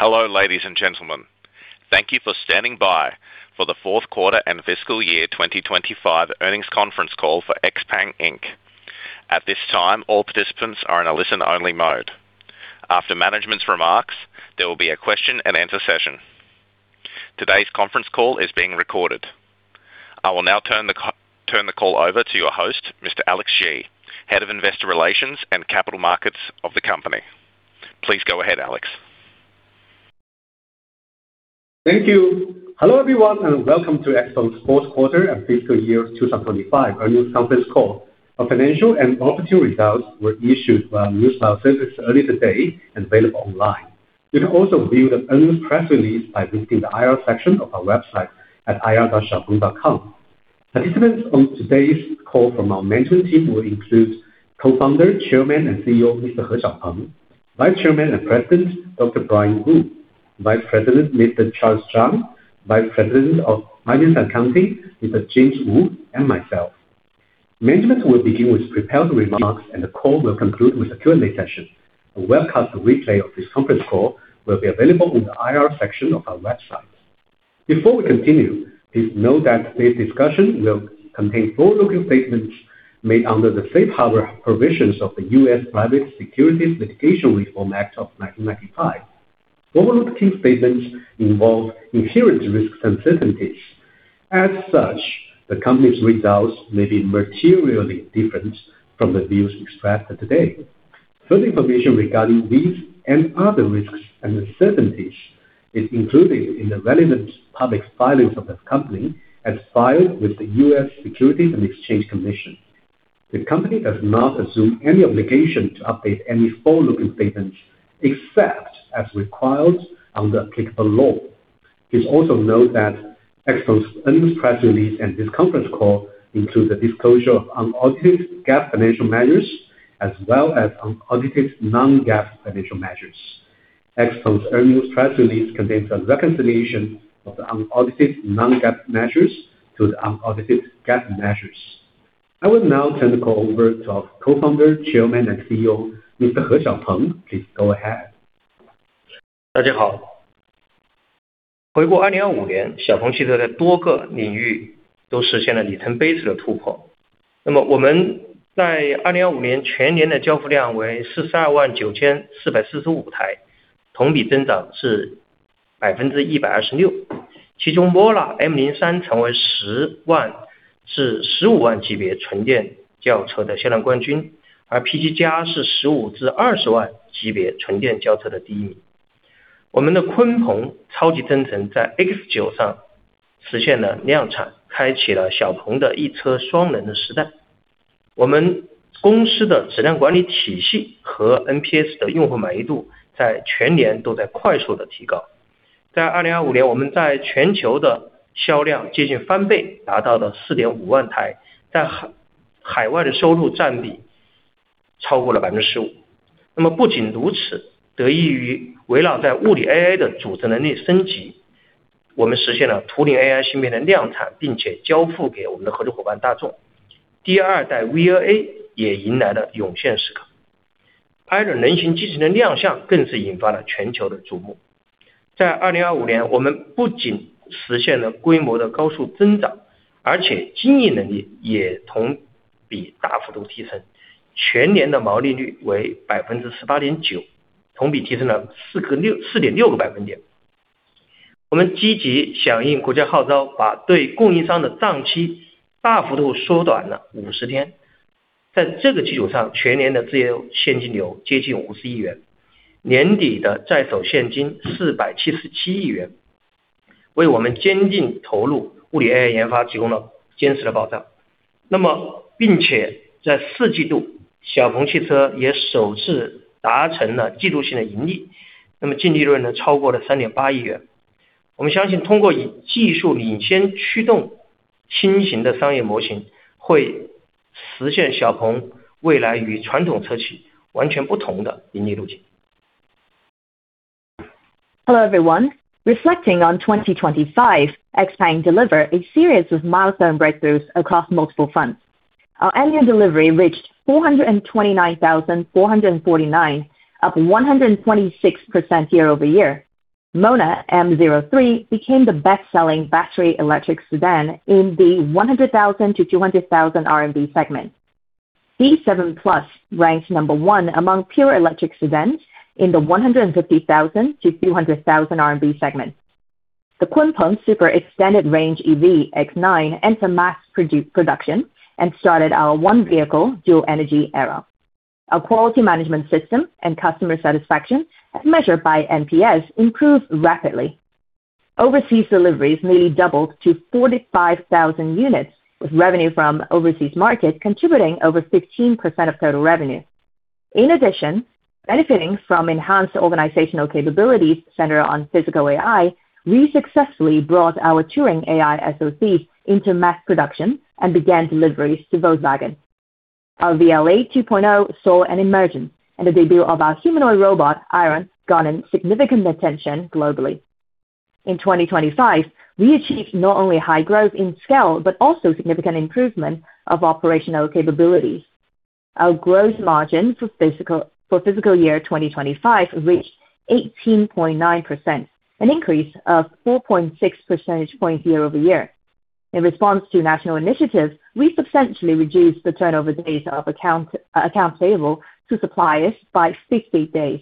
Hello, ladies and gentlemen. Thank you for standing by for the Q4 and fiscal year 2025 earnings conference call for XPeng Inc. At this time, all participants are in a listen-only mode. After management's remarks, there will be a question-and-answer session. Today's conference call is being recorded. I will now turn the call over to your host, Mr. Alex Xie, Head of Investor Relations and Capital Markets of the company. Please go ahead, Alex. Thank you. Hello everyone, and welcome to XPeng's Q4 and fiscal year 2025 earnings conference call. Our financial and operating results were issued via news wire services early today and available online. You can also view the earnings press release by visiting the IR section of our website at ir.xiaopeng.com. Participants on today's call from our management team will include Co-founder, Chairman, and CEO, Mr. He Xiaopeng; Vice Chairman and President, Dr. Brian Gu; Vice President, Mr. Charles Zhang; Vice President of Finance and Accounting, Mr. James Wu; and myself. Management will begin with prepared remarks, and the call will conclude with a Q&A session. A webcast replay of this conference call will be available on the IR section of our website. Before we continue, please note that today's discussion will contain forward-looking statements made under the safe harbor provisions of the U.S. Private Securities Litigation Reform Act of 1995. Forward-looking statements involve inherent risks and uncertainties. As such, the company's results may be materially different from the views expressed today. Further information regarding these and other risks and uncertainties is included in the relevant public filings of this company as filed with the U.S. Securities and Exchange Commission. The company does not assume any obligation to update any forward-looking statements except as required under applicable law. Please also note that XPeng's earnings press release and this conference call include the disclosure of unaudited GAAP financial measures as well as unaudited non-GAAP financial measures. XPeng's earnings press release contains a reconciliation of the unaudited non-GAAP measures to the unaudited GAAP measures. I will now turn the call over to our Co-founder, Chairman, and CEO, Mr. He Xiaopeng. Please go ahead. Hello, everyone. Looking back at 2025, XPeng made milestone breakthroughs in multiple areas. Our annual delivery was 42,945 units, up 126% year-over-year. MONA M03 became the best-selling battery electric sedan in the 100,000-200,000 RMB segment. P7+ ranked number one among pure electric sedans in the 150,000-200,000 RMB segment. The Kunpeng Super Extended Range EV X9 entered mass production and started our one vehicle, dual energy era. Our quality management system and customer satisfaction, as measured by NPS, improved rapidly. Overseas deliveries nearly doubled to 45,000 units, with revenue from overseas markets contributing over 15% of total revenue. In addition, benefiting from enhanced organizational capabilities centered on physical AI, we successfully brought our Turing AI SoC into mass production and began deliveries to Volkswagen. Our VLA 2.0 saw an emergence, and the debut of our humanoid robot, IRON, garnered significant attention globally. In 2025, we achieved not only high growth in scale, but also significant improvement of operational capabilities. Our gross margin for fiscal year 2025 reached 18.9%, an increase of 4.6 percentage points year-over-year. In response to national initiatives, we substantially reduced the turnover days of accounts payable to suppliers by 60 days.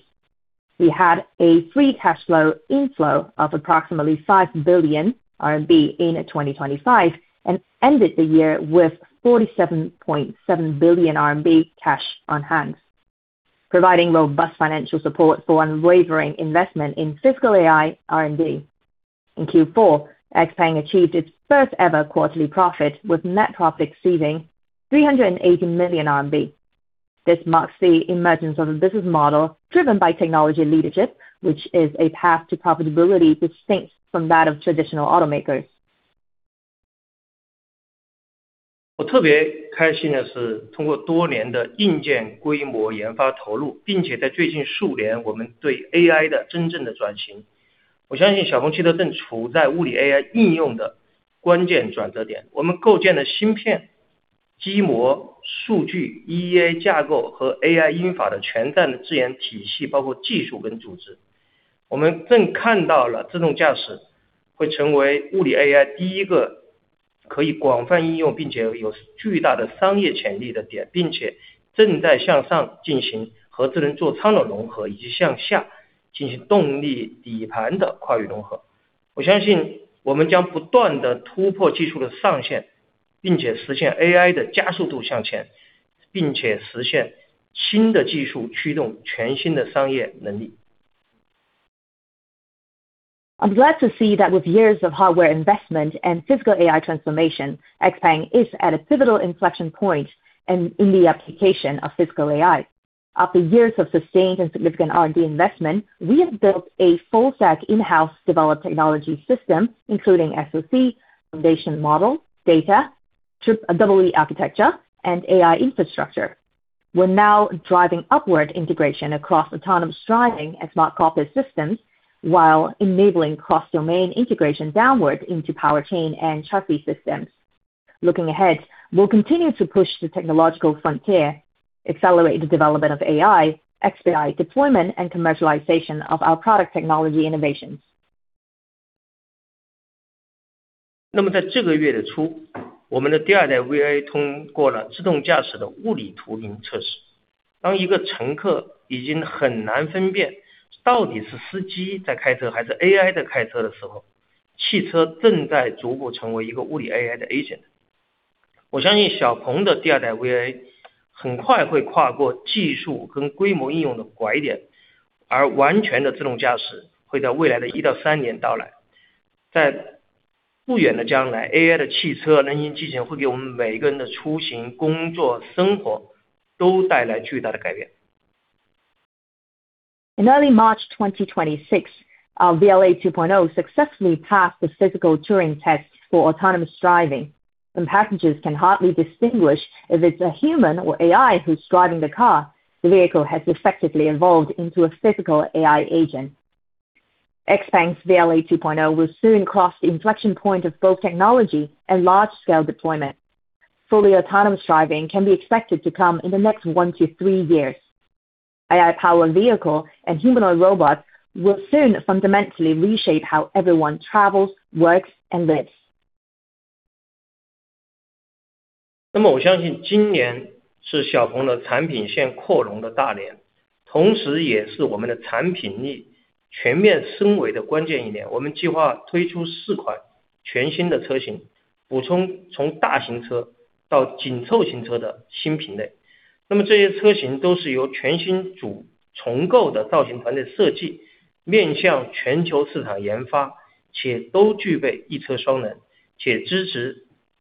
We had a free cash flow inflow of approximately 5 billion RMB in 2025, and ended the year with 47.7 billion RMB cash on hand, providing robust financial support for unwavering investment in XPeng AI R&D. In Q4, XPeng achieved its first ever quarterly profit, with net profit exceeding 380 million RMB. This marks the emergence of a business model driven by technology leadership, which is a path to profitability distinct from that of traditional automakers. 我特别开心的是通过多年的硬件规模研发投入，并且在最近数年我们对AI的真正的转型，我相信小鹏汽车正处在物理AI应用的关键转折点。我们构建了芯片、机模、数据、E/E架构和AI算法的全栈的自研体系，包括技术跟组织。我们正看到了自动驾驶会成为物理AI第一个可以广泛应用并且有巨大的商业潜力的点，并且正在向上进行和智能座舱的融合，以及向下进行动力底盘的跨域融合。我相信我们将不断地突破技术的上限，并且实现AI的加速度向前，并且实现新的技术驱动全新的商业能力。I'm glad to see that with years of hardware investment and physical AI transformation, XPeng is at a pivotal inflection point in the application of physical AI. After years of sustained and significant R&D investment, we have built a full stack in-house developed technology system including SoC, foundation model, data, E/E architecture, and AI infrastructure. We're now driving upward integration across autonomous driving and smart cockpit systems, while enabling cross-domain integration downwards into powertrain and chassis systems. Looking ahead, we'll continue to push the technological frontier, accelerate the development of AI, expedite deployment and commercialization of our product technology innovations. 那么在这个月的初，我们的第二代VLA通过了自动驾驶的物理图灵测试。当一个乘客已经很难分辨到底是司机在开车还是AI在开车的时候，汽车正在逐步成为一个物理AI的agent。我相信小鹏的第二代VLA很快会跨过技术跟规模应用的拐点，而完全的自动驾驶会在未来的一到三年到来。在不远的将来，AI的汽车、人形机器人会给我们每个人的出行、工作、生活都带来巨大的改变。In early March 2026, our VLA 2.0 successfully passed the physical Turing test for autonomous driving, and passengers can hardly distinguish if it's a human or AI who's driving the car. The vehicle has effectively evolved into a physical AI agent. XPeng's VLA 2.0 will soon cross the inflection point of both technology and large-scale deployment. Fully autonomous driving can be expected to come in the next one to three years. AI powered vehicle and humanoid robots will soon fundamentally reshape how everyone travels, works, and lives.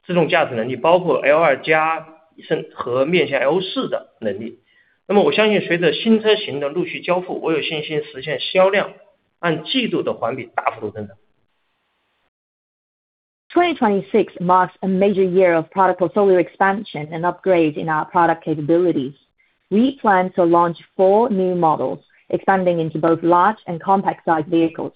2026 marks a major year of product portfolio expansion and upgrades in our product capabilities. We plan to launch four new models, expanding into both large and compact size vehicles.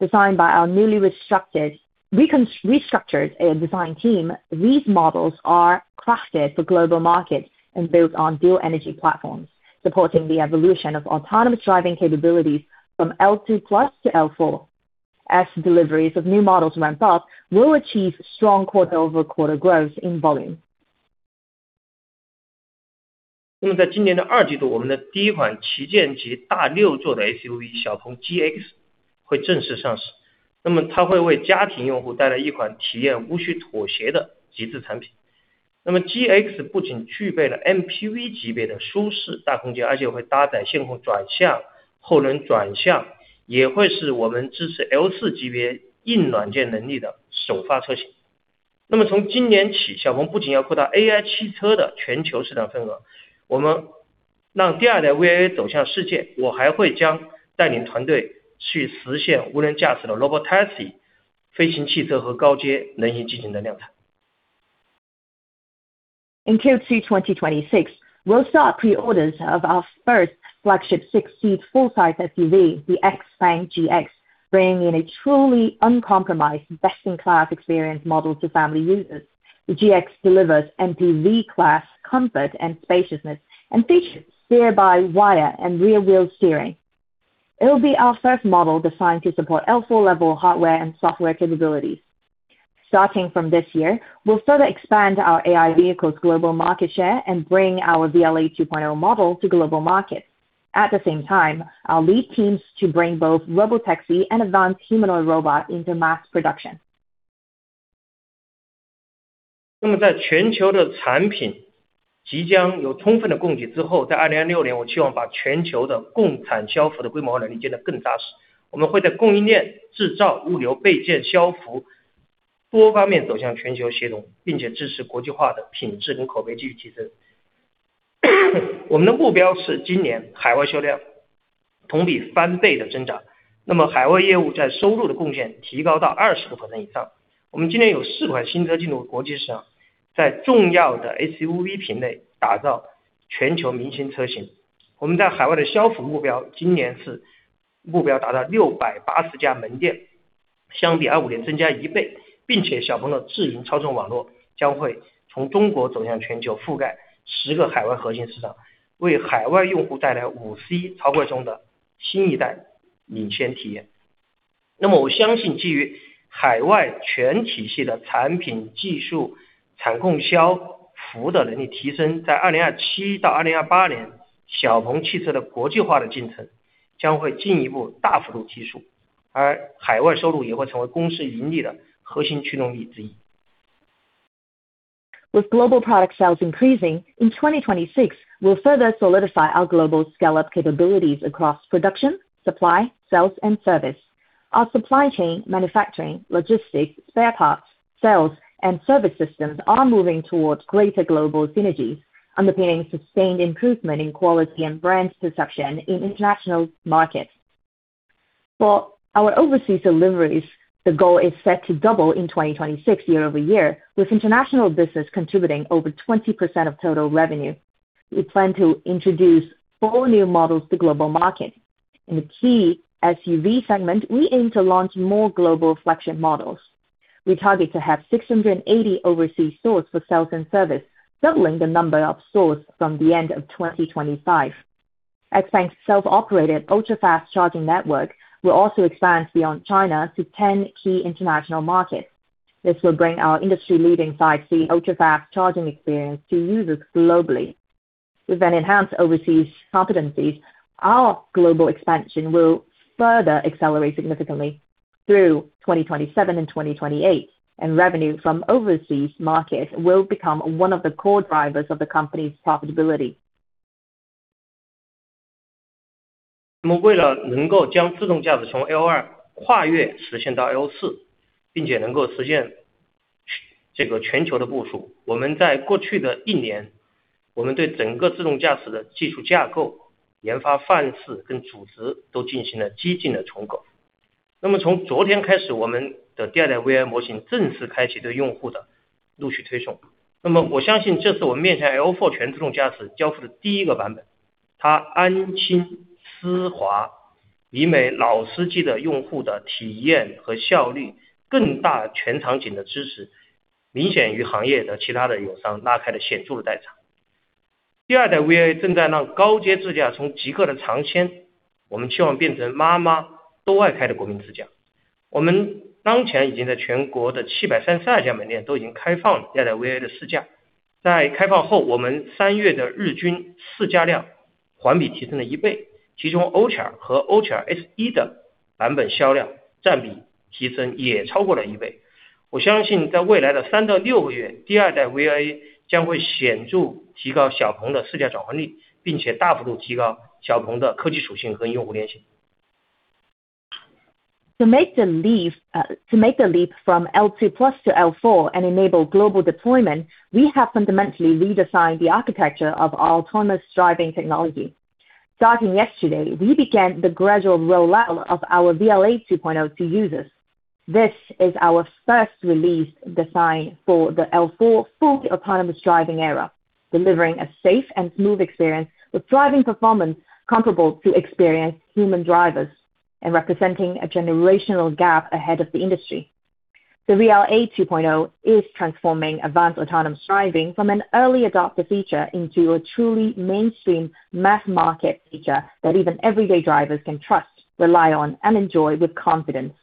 Designed by our newly restructured AI design team, these models are crafted for global markets and built on dual energy platforms, supporting the evolution of autonomous driving capabilities from L2+ to L4. As deliveries of new models ramp up, we'll achieve strong quarter-over-quarter growth in volume. In Q2 2026, we'll start pre-orders of our first flagship six-seat full-size SUV, the XPeng GX, bringing in a truly uncompromised best-in-class experience model to family users. The GX delivers MPV-class comfort and spaciousness and features steer-by-wire and rear-wheel steering. It will be our first model designed to support L4-level hardware and software capabilities. Starting from this year, we'll further expand our AI vehicles global market share and bring our VLA 2.0 model to global markets. At the same time, we'll lead our teams to bring both Robotaxi and advanced humanoid robot into mass production. With global product sales increasing, in 2026, we'll further solidify our global scale up capabilities across production, supply, sales and service. Our supply chain, manufacturing, logistics, spare parts, sales and service systems are moving towards greater global synergies, underpinning sustained improvement in quality and brand perception in international markets. For our overseas deliveries, the goal is set to double in 2026 year-over-year, with international business contributing over 20% of total revenue. We plan to introduce four new models to global markets. In the key SUV segment, we aim to launch more global flagship models. We target to have 680 overseas stores for sales and service, doubling the number of stores from the end of 2025. XPeng's self-operated ultra-fast charging network will also expand beyond China to 10 key international markets. This will bring our industry leading 5C ultra-fast charging experience to users globally. With the enhanced overseas competencies, our global expansion will further accelerate significantly through 2027 and 2028, and revenue from overseas markets will become one of the core drivers of the company's profitability. To make the leap from L2+ to L4 and enable global deployment, we have fundamentally redesigned the architecture of our autonomous driving technology. Starting yesterday, we began the gradual rollout of our VLA 2.0 to users. This is our first release design for the L4 full autonomous driving era, delivering a safe and smooth experience with driving performance comparable to experienced human drivers and representing a generational gap ahead of the industry. The VLA 2.0 is transforming advanced autonomous driving from an early adopter feature into a truly mainstream mass-market feature that even everyday drivers can trust, rely on and enjoy with confidence.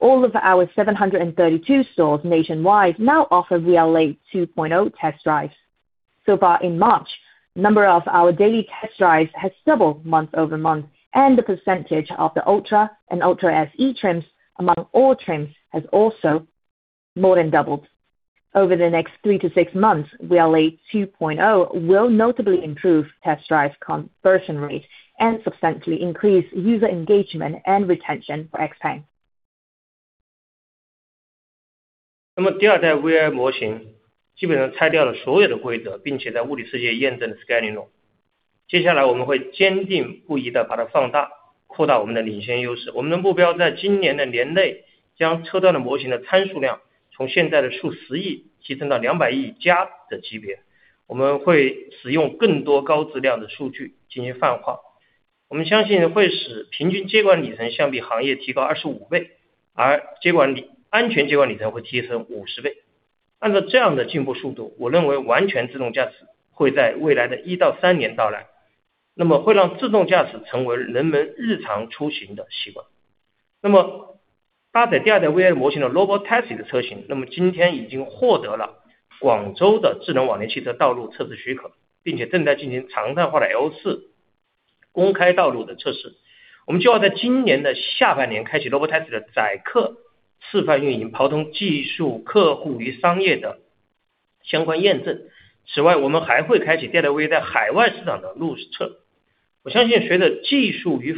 All of our 732 stores nationwide now offer VLA 2.0 test drives. So far in March, the number of our daily test drives has doubled month-over-month, and the percentage of the Ultra and Ultra SE trims among all trims has also more than doubled. Over the next three to six months, VLA 2.0 will notably improve test drive conversion rate and substantially increase user engagement and retention for XPeng. 那么第二代VLA模型基本上拆掉了所有的规则，并且在物理世界验证scaling model。接下来我们会坚定不移地把它放大，扩大我们的领先优势。我们的目标在今年的年内将车端的模型的参数量从现在的数十亿提升到200亿加的级别，我们会使用更多高质量的数据进行泛化，我们相信会使平均接管里程相比行业提高25倍，而接管里，安全接管里程会提升50倍。按照这样的进步速度，我认为完全自动驾驶会在未来的一到三年到来，那么会让自动驾驶成为人们日常出行的习惯。那么搭载第二代VLA模型的Robotaxi的车型，那么今天已经获得了广州的智能网联汽车道路测试许可，并且正在进行常态化的L4公开道路的测试。我们计划在今年的下半年开启Robotaxi的载客示范运营，打通技术、客户与商业的相关验证。此外，我们还会开启第二代VLA在海外市场的路测。我相信随着技术与法规的进展，小鹏的自动驾驶会成为全球屈指可数能够真正规模高效将高等级自动驾驶技术部署到全球市场的企业。The VLA 2.0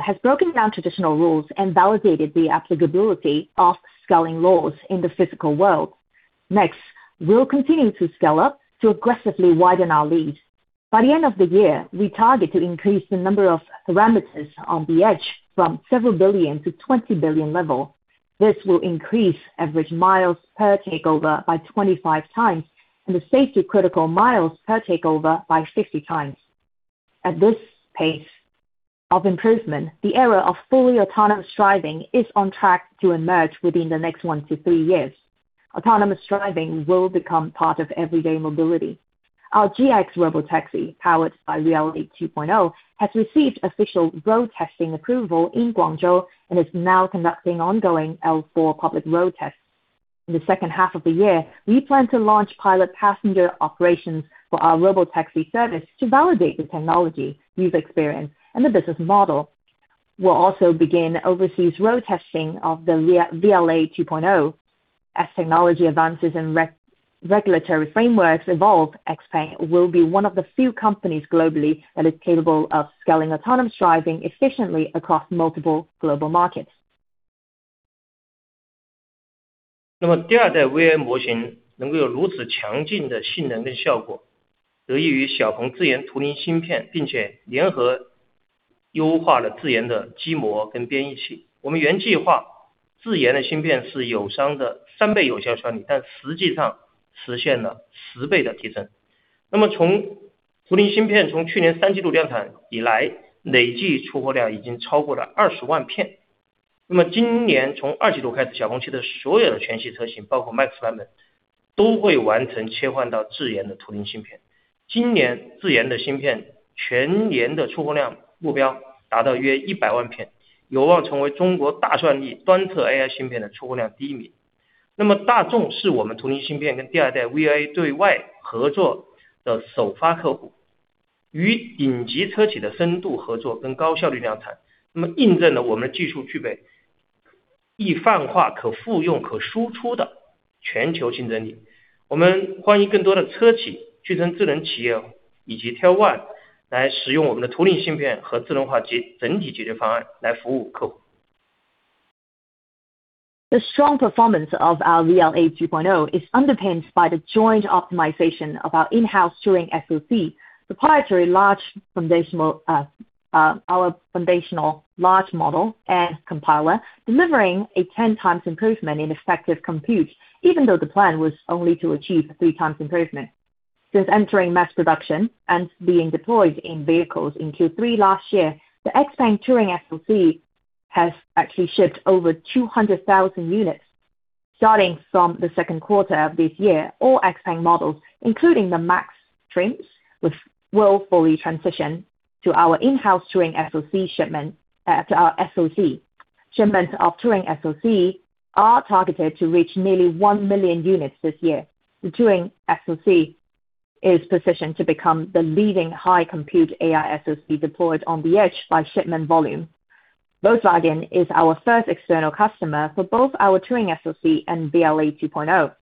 has broken down traditional rules and validated the applicability of scaling laws in the physical world. Next, we'll continue to scale up to aggressively widen our lead. By the end of the year, we target to increase the number of parameters on the edge from several billion to 20 billion level. This will increase average miles per takeover by 25x, and the safety critical miles per takeover by 50x. At this pace of improvement, the era of fully autonomous driving is on track to emerge within the next one to two years. Autonomous driving will become part of everyday mobility. Our XPeng Robotaxi, powered by VLA 2.0, has received official road-testing approval in Guangzhou and is now conducting ongoing L4 public road tests. In the H2 of the year, we plan to launch pilot passenger operations for our Robotaxi service to validate the technology, user experience, and the business model. We'll also begin overseas road testing of the VLA 2.0. As technology advances and regulatory frameworks evolve, XPeng will be one of the few companies globally that is capable of scaling autonomous driving efficiently across multiple global markets. 1来使用我们的图灵芯片和智能化整体解决方案来服务客户。The strong performance of our VLA 2.0 is underpinned by the joint optimization of our in-house Turing SoC, the proprietary foundational large model and compiler, delivering a 10x improvement in effective compute, even though the plan was only to achieve 3x improvement. Since entering mass production and being deployed in vehicles in Q3 last year, the XPeng Turing SoC has actually shipped over 200,000 units. Starting from the Q2 of this year, all XPeng models, including the Max trims, will fully transition to our in-house Turing SoC. Shipments of Turing SoC are targeted to reach nearly 1 million units this year. The Turing SoC is positioned to become the leading high compute AI SoC deployed on the edge by shipment volume. Volkswagen is our first external customer for both our Turing SoC and VLA 2.0.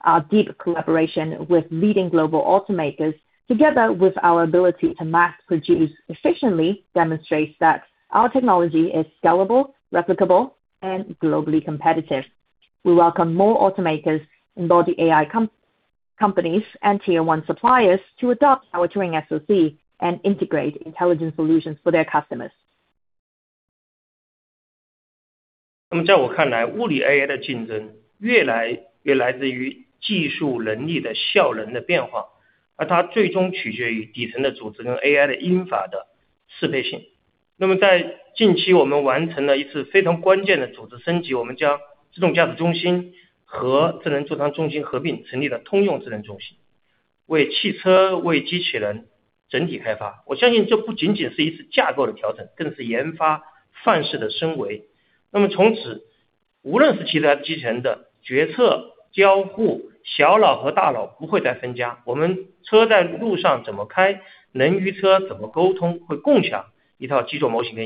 Our deep collaboration with leading global automakers, together with our ability to mass produce efficiently, demonstrates that our technology is scalable, replicable, and globally competitive. We welcome more automakers and all the AI companies and Tier 1 suppliers to adopt our Turing SoC and integrate intelligent solutions for their customers. Agent上共同的超级基座模型。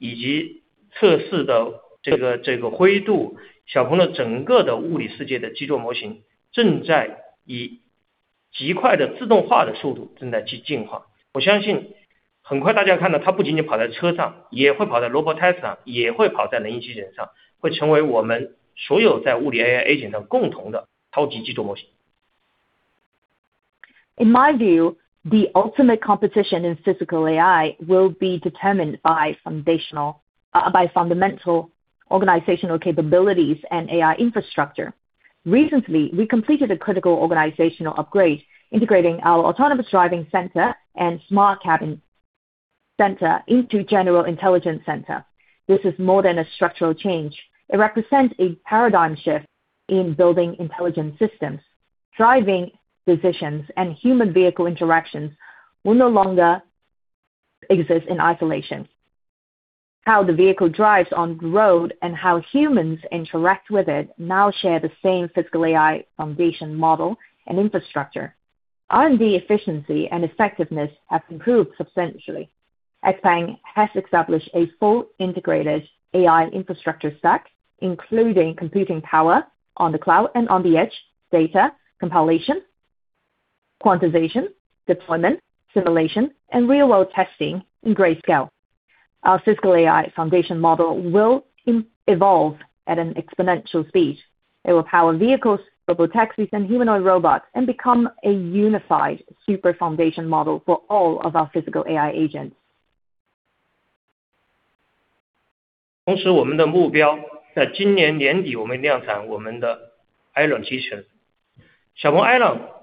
In my view, the ultimate competition in physical AI will be determined by fundamental organizational capabilities and AI infrastructure. Recently, we completed a critical organizational upgrade, integrating our Autonomous Driving Center and Smart Cabin Center into General Intelligence Center. This is more than a structural change. It represents a paradigm shift in building intelligence systems. Driving decisions and human vehicle interactions will no longer exist in isolation. How the vehicle drives on road and how humans interact with it now share the same physical AI foundation model and infrastructure. R&D efficiency and effectiveness have improved substantially. XPeng has established a full integrated AI infrastructure stack, including computing power on the cloud and on the edge, data compilation, quantization, deployment, simulation, and real-world testing in grayscale. Our physical AI foundation model will evolve at an exponential speed. It will power vehicles, robotaxis, and humanoid robots, and become a unified super foundation model for all of our physical AI agents. 同时我们的目标在今年年底我们量产我们的IRON机器人。小鹏IRON搭载三颗自研的Turing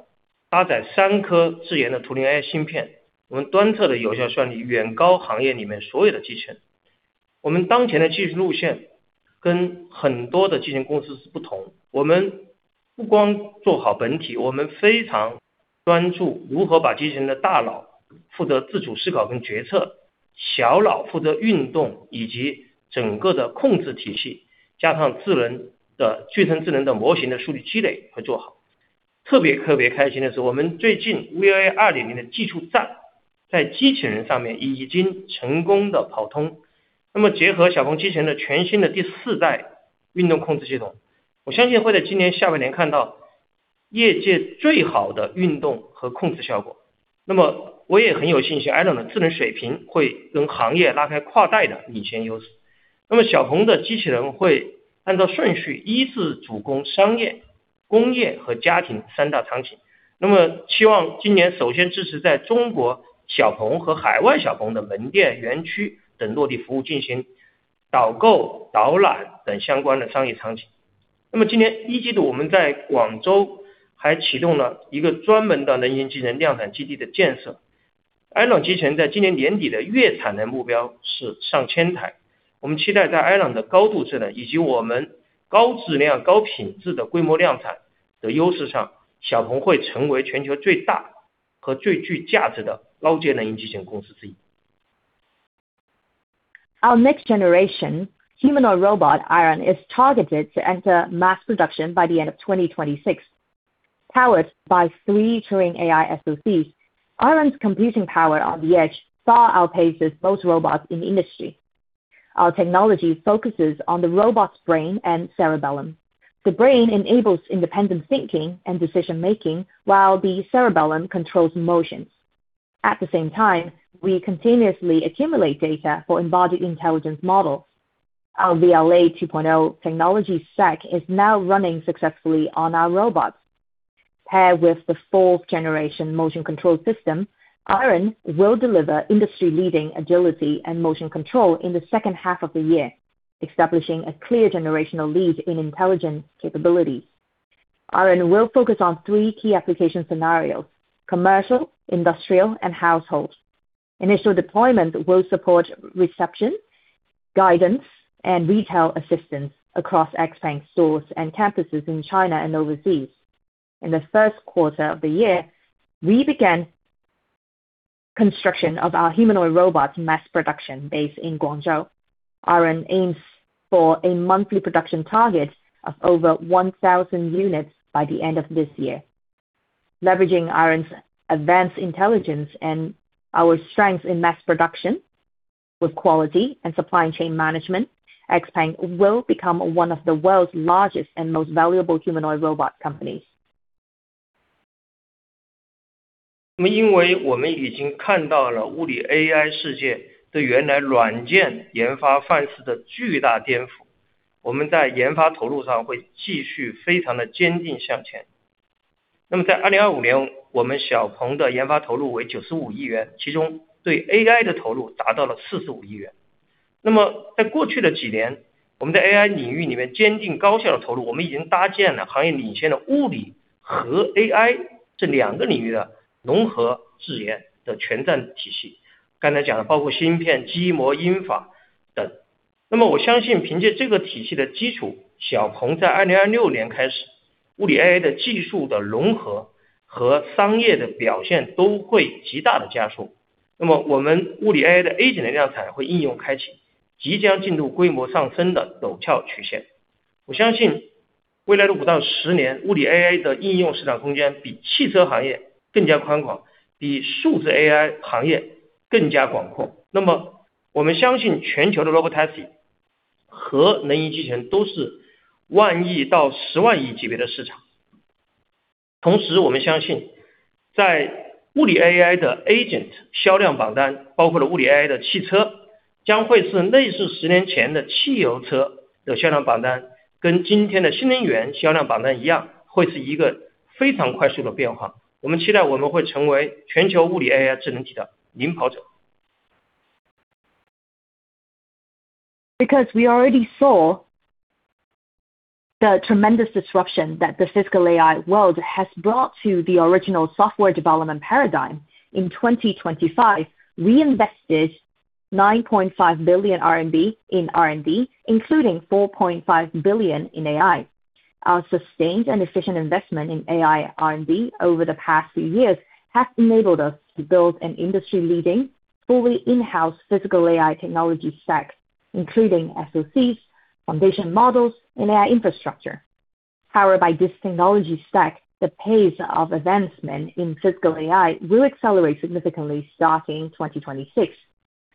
Our next generation humanoid robot, IRON, is targeted to enter mass production by the end of 2026. Powered by three Turing AI SoCs, IRON's computing power on the edge far outpaces most robots in the industry. Our technology focuses on the robot's brain and cerebellum. The brain enables independent thinking and decision making, while the cerebellum controls motions. At the same time, we continuously accumulate data for embodied intelligence model. Our VLA 2.0 technology stack is now running successfully on our robots. Paired with the fourth-generation motion control system, IRON will deliver industry leading agility and motion control in the H2 of the year, establishing a clear generational lead in intelligence capabilities. IRON will focus on three key application scenarios, commercial, industrial, and households. Initial deployment will support reception, guidance, and retail assistance across XPeng stores and campuses in China and overseas. In the Q1 of the year, we began construction of our humanoid robot mass production base in Guangzhou. IRON aims for a monthly production target of over 1,000 units by the end of this year. Leveraging IRON's advanced intelligence and our strength in mass production with quality and supply chain management, XPeng will become one of the world's largest and most valuable humanoid robot companies. Because we already saw the tremendous disruption that the physical AI world has brought to the original software development paradigm. In 2025, we invested 9.5 billion RMB in R&D, including 4.5 billion in AI. Our sustained and efficient investment in AI R&D over the past few years has enabled us to build an industry-leading fully in-house physical AI technology stack, including SoCs, foundation models and AI infrastructure. Powered by this technology stack, the pace of advancement in physical AI will accelerate significantly starting in 2026.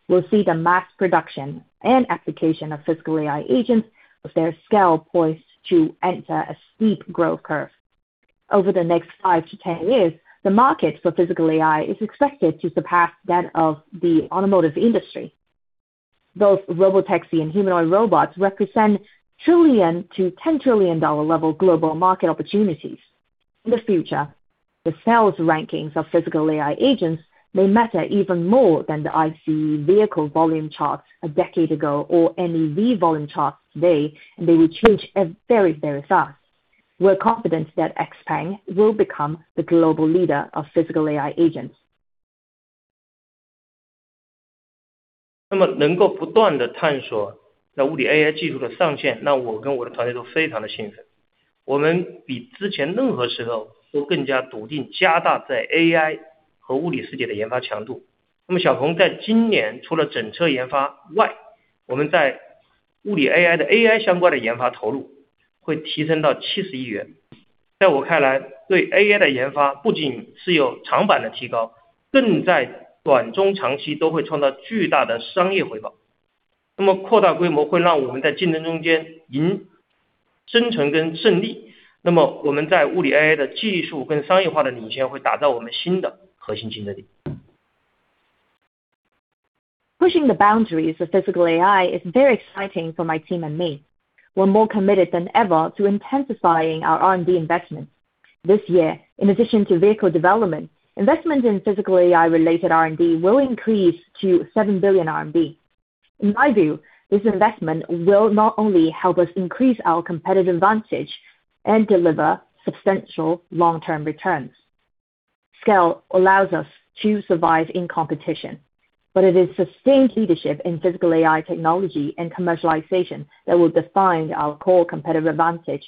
We'll see the mass production and application of physical AI agents with their scale poised to enter a steep growth curve. Over the next five to 10 years, the market for physical AI is expected to surpass that of the automotive industry. Both Robotaxi and humanoid robots represent $1 trillion-$10 trillion level global market opportunities. In the future, the sales rankings of physical AI agents may matter even more than the ICE vehicle volume charts a decade ago, or any volume charts today, and they will change at very, very fast. We are confident that XPeng will become the global leader of physical AI agents. Pushing the boundaries of physical AI is very exciting for my team and me. We're more committed than ever to intensifying our R&D investments. This year, in addition to vehicle development, investment in physical AI-related R&D will increase to 7 billion RMB. In my view, this investment will not only help us increase our competitive advantage and deliver substantial long-term returns. Scale allows us to survive in competition, but it is sustained leadership in physical AI technology and commercialization that will define our core competitive advantage.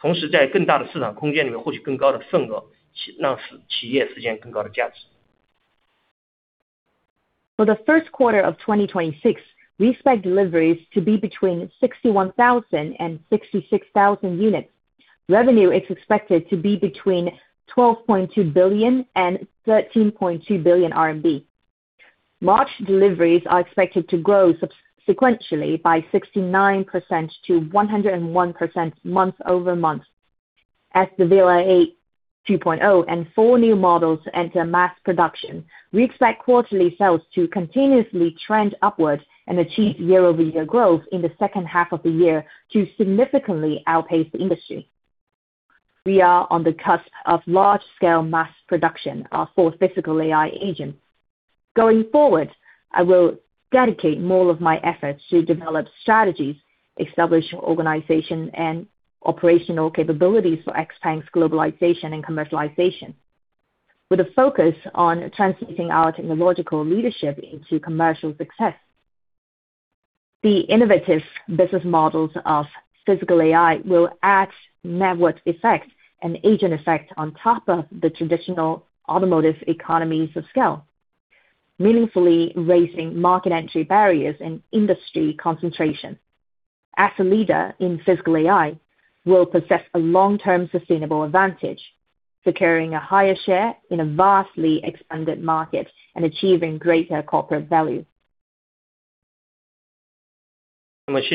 For the Q1 of 2026, we expect deliveries to be between 61,000 and 66,000 units. Revenue is expected to be between 12.2 billion and 13.2 billion RMB. March deliveries are expected to grow sequentially by 69%-101% month-over-month. As the VLA 2.0 and four new models enter mass production, we expect quarterly sales to continuously trend upwards and achieve year-over-year growth in the H2 of the year to significantly outpace the industry. We are on the cusp of large-scale mass production of four physical AI agents. Going forward, I will dedicate more of my efforts to develop strategies, establishing organization and operational capabilities for XPeng's globalization and commercialization. With a focus on translating our technological leadership into commercial success. The innovative business models of physical AI will add network effects and agent effect on top of the traditional automotive economies of scale, meaningfully raising market entry barriers and industry concentration. As a leader in physical AI, we'll possess a long-term sustainable advantage, securing a higher share in a vastly expanded market and achieving greater corporate value. Thank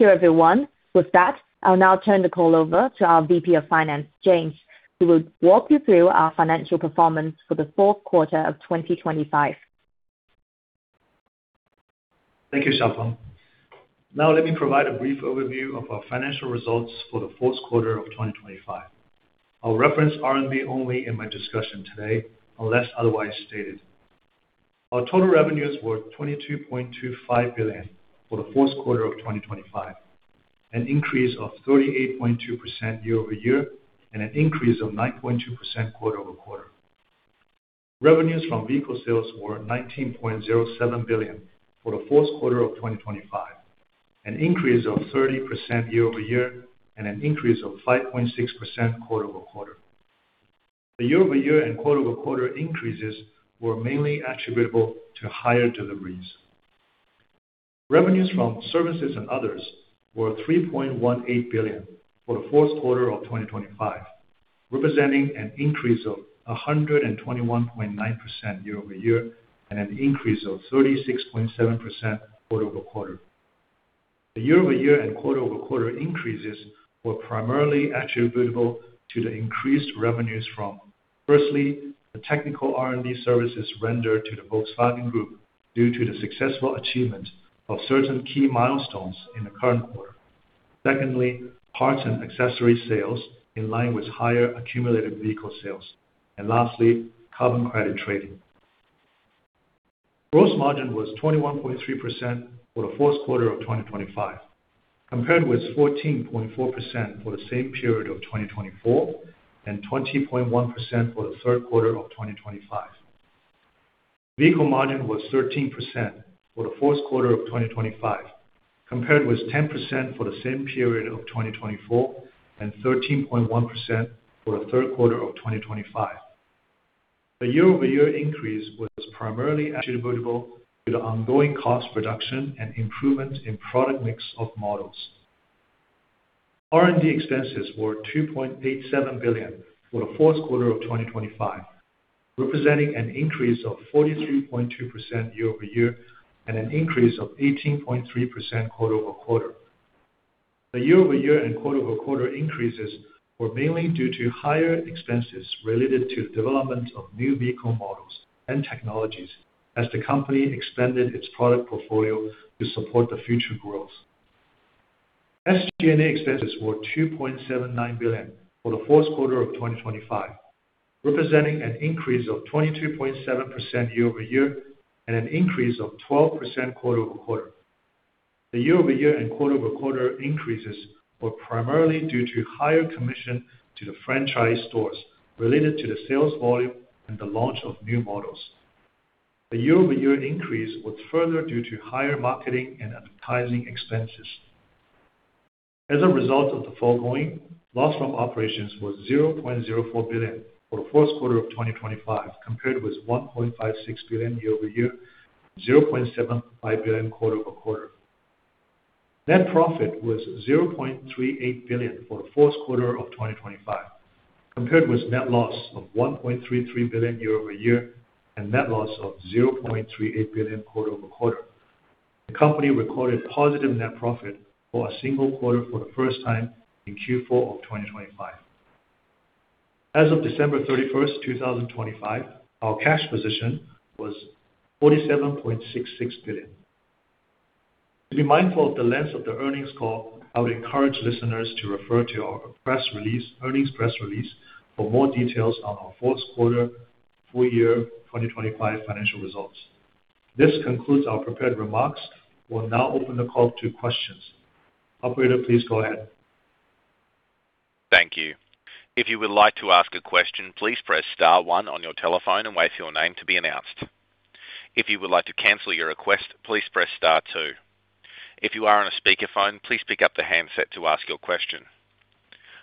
you, everyone. With that, I'll now turn the call over to our VP of Finance, James Wu, who will walk you through our financial performance for the Q4 of 2025. Thank you, Xiaopeng. Now let me provide a brief overview of our financial results for the Q4 of 2025. I'll reference CNY only in my discussion today, unless otherwise stated. Our total revenues were 22.25 billion for the Q4 of 2025, an increase of 38.2% year-over-year, and an increase of 9.2% quarter-over-quarter. Revenues from vehicle sales were 19.07 billion for the Q4 of 2025, an increase of 30% year-over-year, and an increase of 5.6% quarter-over-quarter. The year-over-year and quarter-over-quarter increases were mainly attributable to higher deliveries. Revenues from services and others were 3.18 billion for the Q4 of 2025, representing an increase of 121.9% year-over-year and an increase of 36.7% quarter-over-quarter. The year-over-year and quarter-over-quarter increases were primarily attributable to the increased revenues from, firstly, the technical R&D services rendered to the Volkswagen Group due to the successful achievement of certain key milestones in the current quarter. Secondly, parts and accessories sales in line with higher accumulated vehicle sales. And lastly, carbon credit trading. Gross margin was 21.3% for the Q4 of 2025, compared with 14.4% for the same period of 2024 and 20.1% for the Q3 of 2025. Vehicle margin was 13% for the Q4 of 2025, compared with 10% for the same period of 2024 and 13.1% for the Q3 of 2025. The year-over-year increase was primarily attributable to the ongoing cost reduction and improvement in product mix of models. R&D expenses were 2.87 billion for the Q4 of 2025, representing an increase of 43.2% year-over-year and an increase of 18.3% quarter-over-quarter. The year-over-year and quarter-over-quarter increases were mainly due to higher expenses related to development of new vehicle models and technologies as the company expanded its product portfolio to support the future growth. SG&A expenses were 2.79 billion for the Q4 of 2025, representing an increase of 22.7% year-over-year and an increase of 12% quarter-over-quarter. The year-over-year and quarter-over-quarter increases were primarily due to higher commission to the franchise stores related to the sales volume and the launch of new models. The year-over-year increase was further due to higher marketing and advertising expenses. As a result of the foregoing, loss from operations was 0.04 billion for the Q4 of 2025, compared with 1.56 billion year-over-year, 0.75 billion quarter-over-quarter. Net profit was 0.38 billion for the Q4 of 2025, compared with net loss of 1.33 billion year-over-year and net loss of 0.38 billion quarter-over-quarter. The company recorded positive net profit for a single quarter for the first time in Q4 of 2025. As of December 31, 2025, our cash position was 47.66 billion. To be mindful of the length of the earnings call, I would encourage listeners to refer to our earnings press release for more details on our Q4 full year 2025 financial results. This concludes our prepared remarks. We'll now open the call to questions. Operator, please go ahead. Thank you. If you would like to ask a question, please press star one on your telephone and wait for your name to be announced. If you would like to cancel your request, please press star two. If you are on a speakerphone, please pick up the handset to ask your question.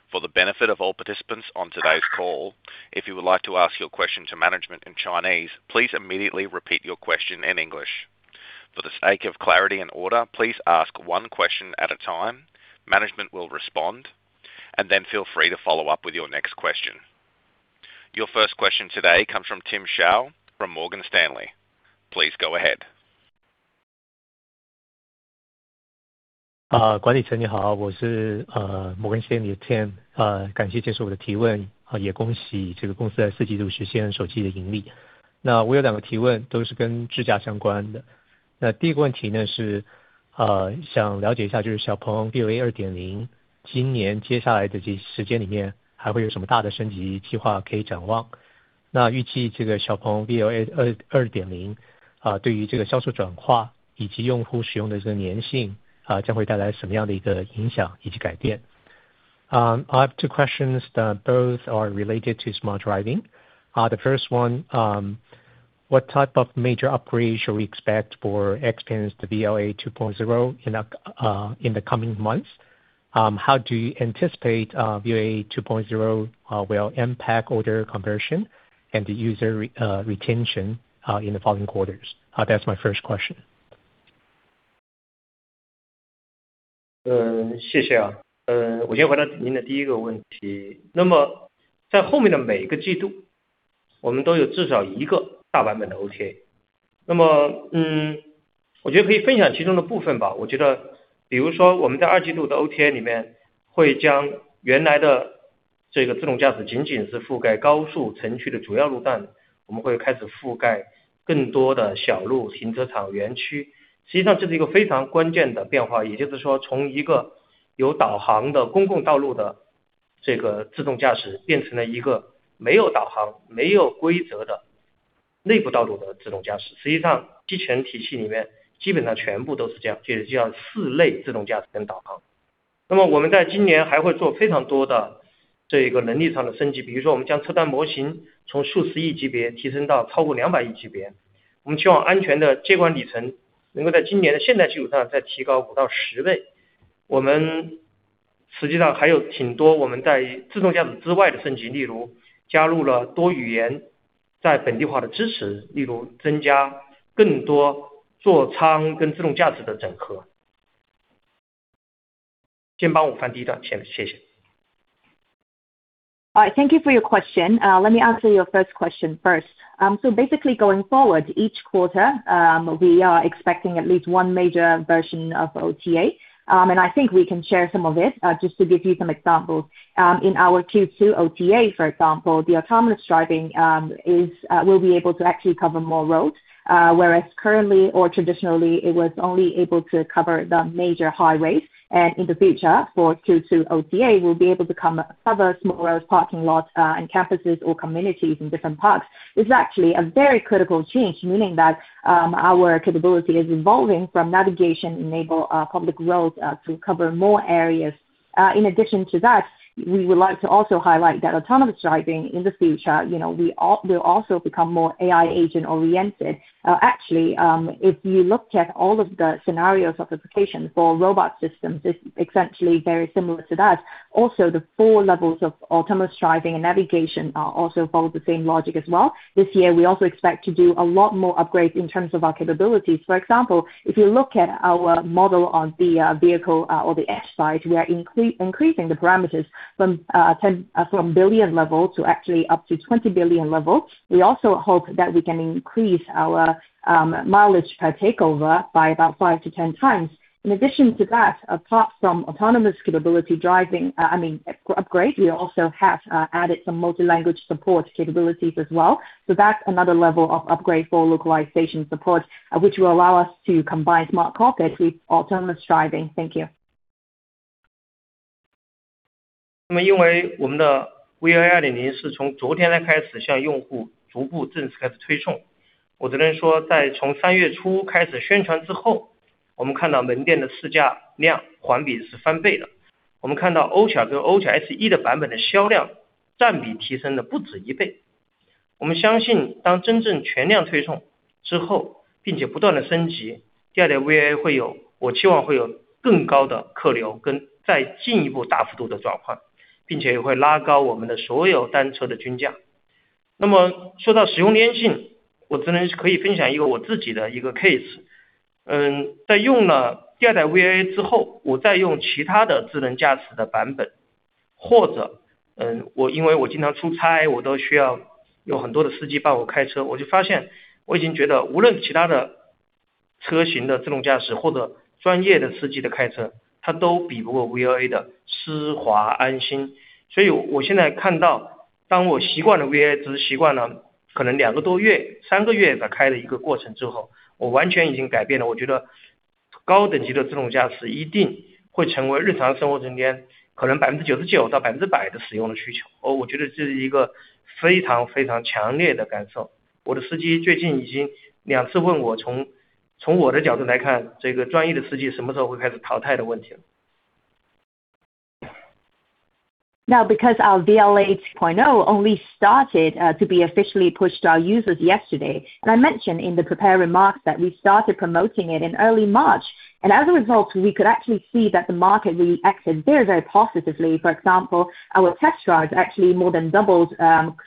For the benefit of all participants on today's call, if you would like to ask your question to management in Chinese, please immediately repeat your question in English. For the sake of clarity and order, please ask one question at a time. Management will respond and then feel free to follow up with your next question. Your first question today comes from Tim Hsiao from Morgan Stanley. Please go ahead. Tim. I have two questions. Both are related to smart driving. The first one, what type of major upgrade should we expect for XPeng's VLA 2.0 in the coming months? How do you anticipate VLA 2.0 will impact order conversion and the user retention in the following quarters? That's my first question. All right, thank you for your question. Let me answer your first question first. Basically, going forward, each quarter, we are expecting at least one major version of OTA, and I think we can share some of it, just to give you some examples. In our Q2 OTA, for example, the autonomous driving will be able to actually cover more roads, whereas currently or traditionally it was only able to cover the major highways and in the future for Q2 OTA will be able to cover small roads, parking lots, and campuses or communities in different parts. It's actually a very critical change, meaning that, our capability is evolving from navigation-enabled public roads to cover more areas. In addition to that, we would like to also highlight that autonomous driving in the future, you know, we will also become more AI agent oriented. Actually, if you looked at all of the scenario's applications for robot systems, it's essentially very similar to that. Also, the four levels of autonomous driving and navigation also follow the same logic as well. This year we also expect to do a lot more upgrades in terms of our capabilities. For example, if you look at our model on the vehicle or the edge side, we are increasing the parameters from 10 billion level to actually up to 20 billion level. We also hope that we can increase our mileage per takeover by about 5x-10x. In addition to that, apart from autonomous capability driving, I mean, upgrade, we also have added some multi-language support capabilities as well. So that's another level of upgrade for localization support, which will allow us to combine smart cockpit with autonomous driving. Thank you. Now because our VLA 2.0 only started to be officially pushed to our users yesterday, and I mentioned in the prepared remarks that we started promoting it in early March, and as a result, we could actually see that the market reacted very, very positively. For example, our test drives actually more than doubled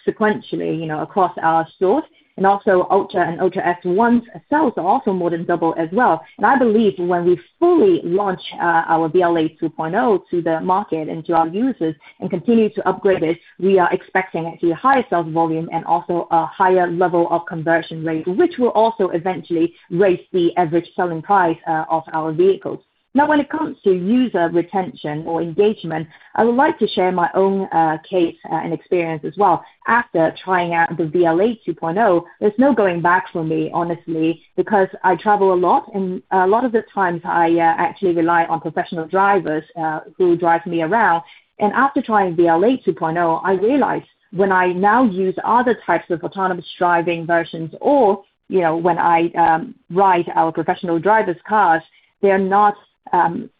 sequentially, you know, across our stores and also Ultra and Ultra SE sales are also more than double as well. I believe when we fully launch our VLA 2.0 to the market and to our users and continue to upgrade it, we are expecting actually a higher sales volume and also a higher level of conversion rate, which will also eventually raise the average selling price of our vehicles. Now, when it comes to user retention or engagement, I would like to share my own case and experience as well. After trying out the VLA 2.0, there's no going back for me, honestly, because I travel a lot, and a lot of the times I actually rely on professional drivers who drive me around. After trying VLA 2.0, I realize when I now use other types of autonomous driving versions or, you know, when I ride our professional drivers' cars. They are not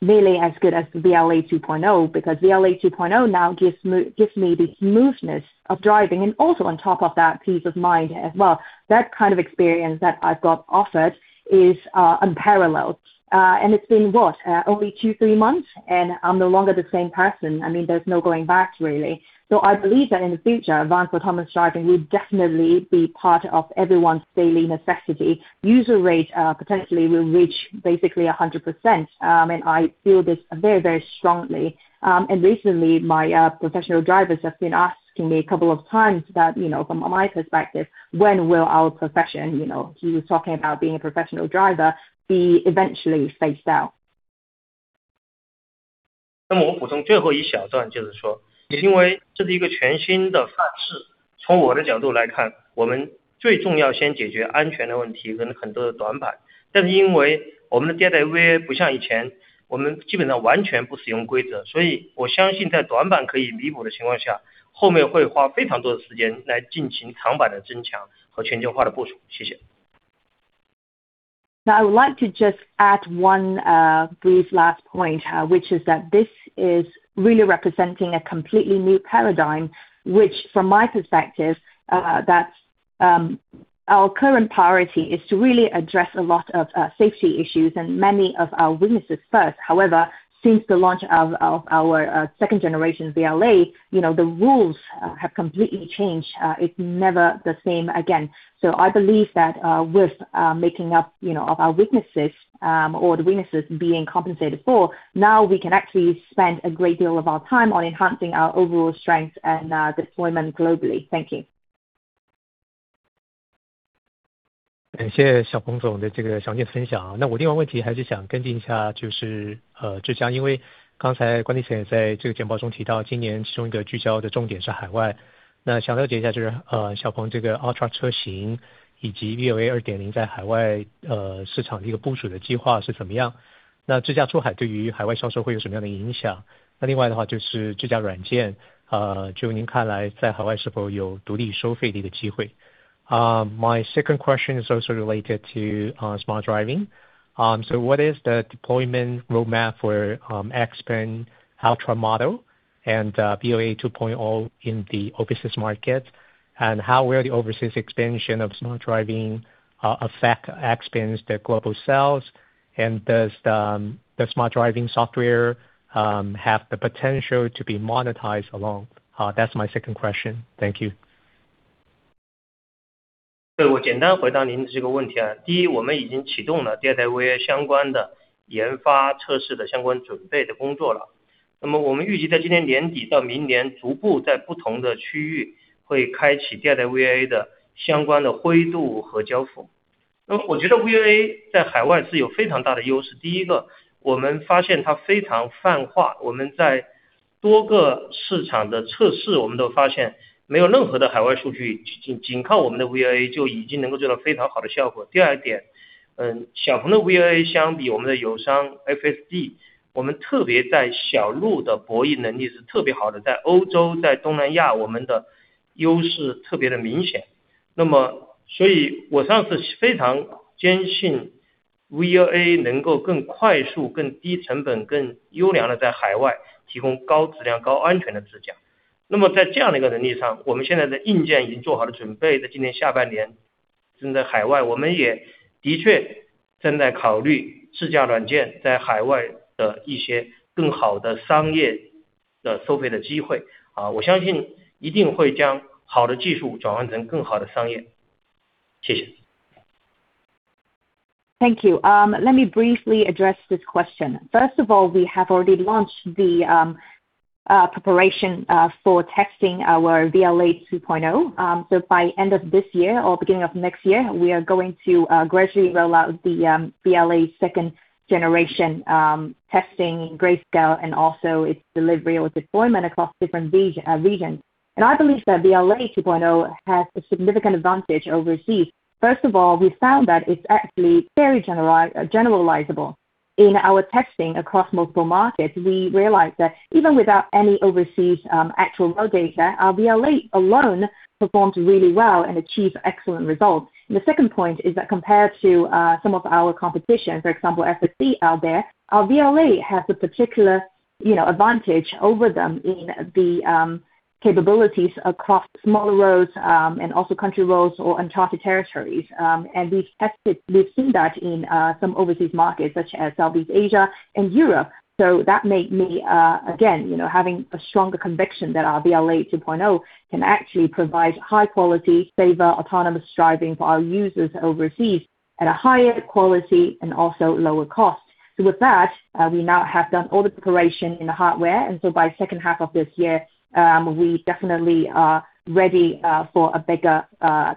nearly as good as the VLA 2.0 because the VLA 2.0 now gives me the smoothness of driving and also on top of that, peace of mind as well. That kind of experience that I've got offered is unparalleled. And it's been what? Only two, three months, and I'm no longer the same person. I mean, there's no going back, really. I believe that in the future, advanced autonomous driving will definitely be part of everyone's daily necessity. User rate potentially will reach basically 100%. I feel this very, very strongly. Recently, my professional drivers have been asking me a couple of times that, you know, from my perspective, when will our profession, you know, he was talking about being a professional driver, be eventually phased out. I would like to just add one brief last point, which is that this is really representing a completely new paradigm, which from my perspective, that our current priority is to really address a lot of safety issues and many of our weaknesses first. However, since the launch of our second generation VLA, you know, the rules have completely changed. It's never the same again. I believe that with making up, you know, of our weaknesses, or the weaknesses being compensated for, now we can actually spend a great deal of our time on enhancing our overall strength and deployment globally. Thank you. My second question is also related to smart driving. What is the deployment roadmap for XPeng Ultra model and VLA 2.0 in the overseas market? And how will the overseas expansion of smart driving affect XPeng's global sales? And does the smart driving software have the potential to be monetized alone? That's my second question. Thank you. Thank you. Let me briefly address this question. First of all, we have already launched the preparation for testing our VLA 2.0. By end of this year or beginning of next year, we are going to gradually roll out the VLA's second generation testing grayscale, and also its delivery or deployment across different regions. I believe that VLA 2.0 has a significant advantage overseas. First of all, we found that it's actually very generalizable. In our testing across multiple markets, we realized that even without any overseas actual road data, our VLA alone performs really well and achieve excellent results. The second point is that compared to some of our competition, for example, FSD out there, our VLA has a particular, you know, advantage over them in the capabilities across smaller roads, and also country roads or uncharted territories. We've seen that in some overseas markets, such as Southeast Asia and Europe. That made me, again, you know, having a stronger conviction that our VLA 2.0 can actually provide high quality, safer, autonomous driving for our users overseas at a higher quality and also lower cost. With that, we now have done all the preparation in the hardware. By H2 of this year, we definitely are ready for a bigger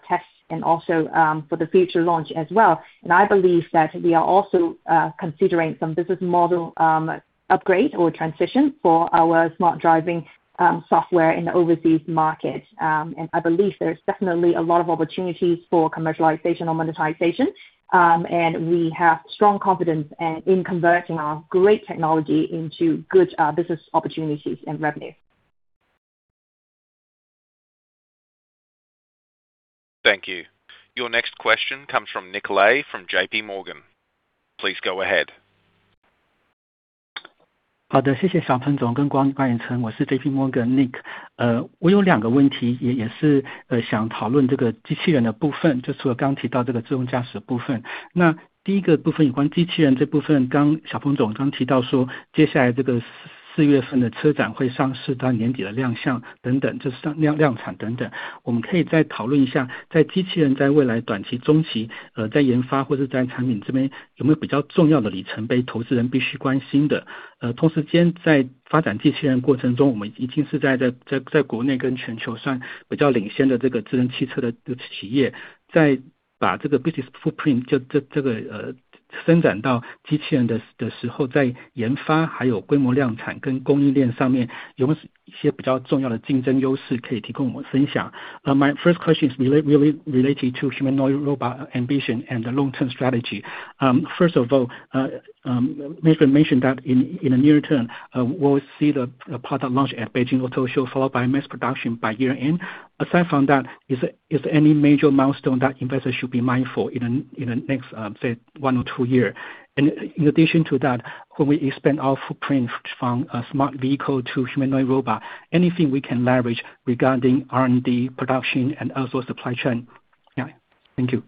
test and also for the future launch as well. I believe that we are also considering some business model upgrade or transition for our smart driving software in the overseas market. I believe there's definitely a lot of opportunities for commercialization or monetization. We have strong confidence in converting our great technology into good business opportunities and revenue. Thank you. Your next question comes from Nick Lai from JPMorgan. Please go ahead. 好的，谢谢小鹏总，欢迎陈。我是JPMorgan Nick，我有两个问题，也是想讨论这个机器人的部分，就是除了刚提到这个自动驾驶部分。那第一个部分有关机器人这部分，刚小鹏总提到说接下来这个四月份的车展会上市，到年底的亮相等等，就是上量、量产等等，我们可以再讨论一下，在机器人在未来短期、中期，在研发或是在产品这边有没有比较重要的里程碑，投资人必须关心的。同时间在发展机器人过程中，我们已经是在国内跟全球算比较领先的这个智能汽车的这个企业，在把这个business footprint伸展到机器人的时候，在研发还有规模量产跟供应链上面，有没有一些比较重要的竞争优势可以提供我们分享。My first question is related to humanoid robot ambition and the long-term strategy. First off, though, mentioned that in the near term, we'll see the product launch at Beijing Auto Show followed by mass production by year-end. Aside from that, is any major milestone that investors should be mindful in the next, say, one or two years. In addition to that, when we expand our footprint from a smart vehicle to humanoid robot, anything we can leverage regarding R&D, production and also supply chain. Thank you.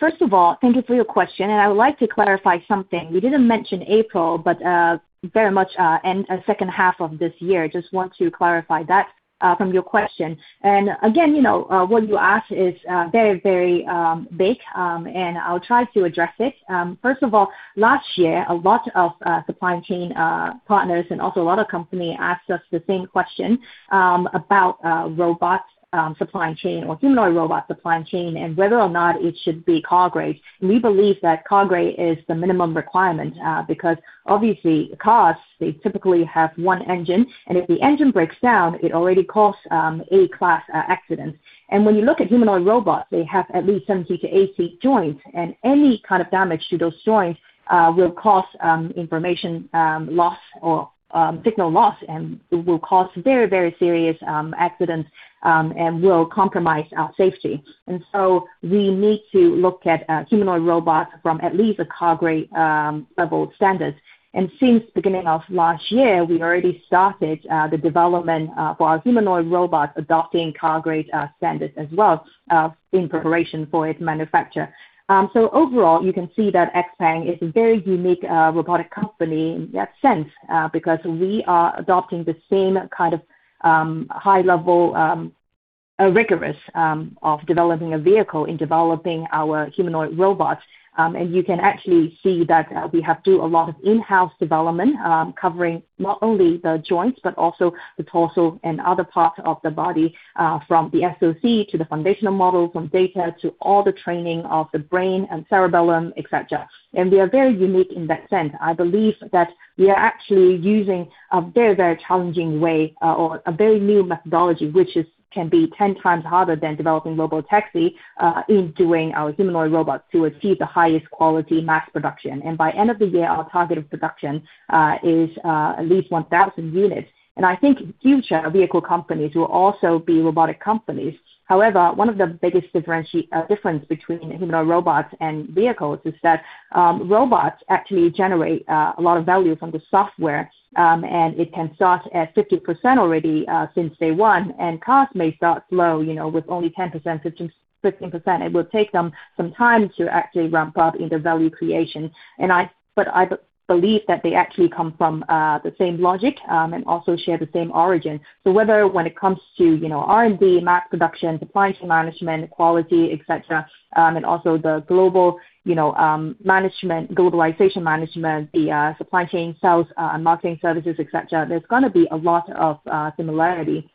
First of all, thank you for your question and I would like to clarify something. We didn't mention April, but very much in a H2 of this year. Just want to clarify that from your question. Again, you know, what you ask is very, very big and I'll try to address it. First of all, last year a lot of supply chain partners and also a lot of company asked us the same question about robot supply chain or humanoid robot supply chain and whether or not it should be car grade. We believe that car grade is the minimum requirement, because obviously cars, they typically have one engine, and if the engine breaks down, it already causes A class accidents. When you look at humanoid robots, they have at least 70-80 joints, and any kind of damage to those joints will cause information loss or signal loss. It will cause very, very serious accidents and will compromise our safety. We need to look at humanoid robots from at least a car grade level of standards. Since beginning of last year, we already started the development of our humanoid robot adopting car grade standards as well in preparation for its manufacture. Overall, you can see that XPeng is a very unique robotic company in that sense, because we are adopting the same kind of high level. A rigorous of developing a vehicle and developing our humanoid robots. You can actually see that we do a lot of in-house development, covering not only the joints but also the torso and other parts of the body, from the SoC to the foundational model, from data to all the training of the brain and cerebellum, et cetera. We are very unique in that sense. I believe that we are actually using a very, very challenging way or a very new methodology, which can be 10x harder than developing Robotaxi, in doing our humanoid robots to achieve the highest quality mass production. By end of the year, our target of production is at least 1,000 units. I think future vehicle companies will also be robotic companies. However, one of the biggest difference between humanoid robots and vehicles is that, robots actually generate a lot of value from the software, and it can start at 50% already, since day one, and cars may start low, you know, with only 10%, 15%, it will take them some time to actually ramp up in the value creation. But I believe that they actually come from the same logic and also share the same origin. Whether when it comes to, you know, R&D, mass production, supply chain management, quality, et cetera, and also the global, you know, management, globalization management, the supply chain sales, and marketing services, et cetera, there is going to be a lot of similarity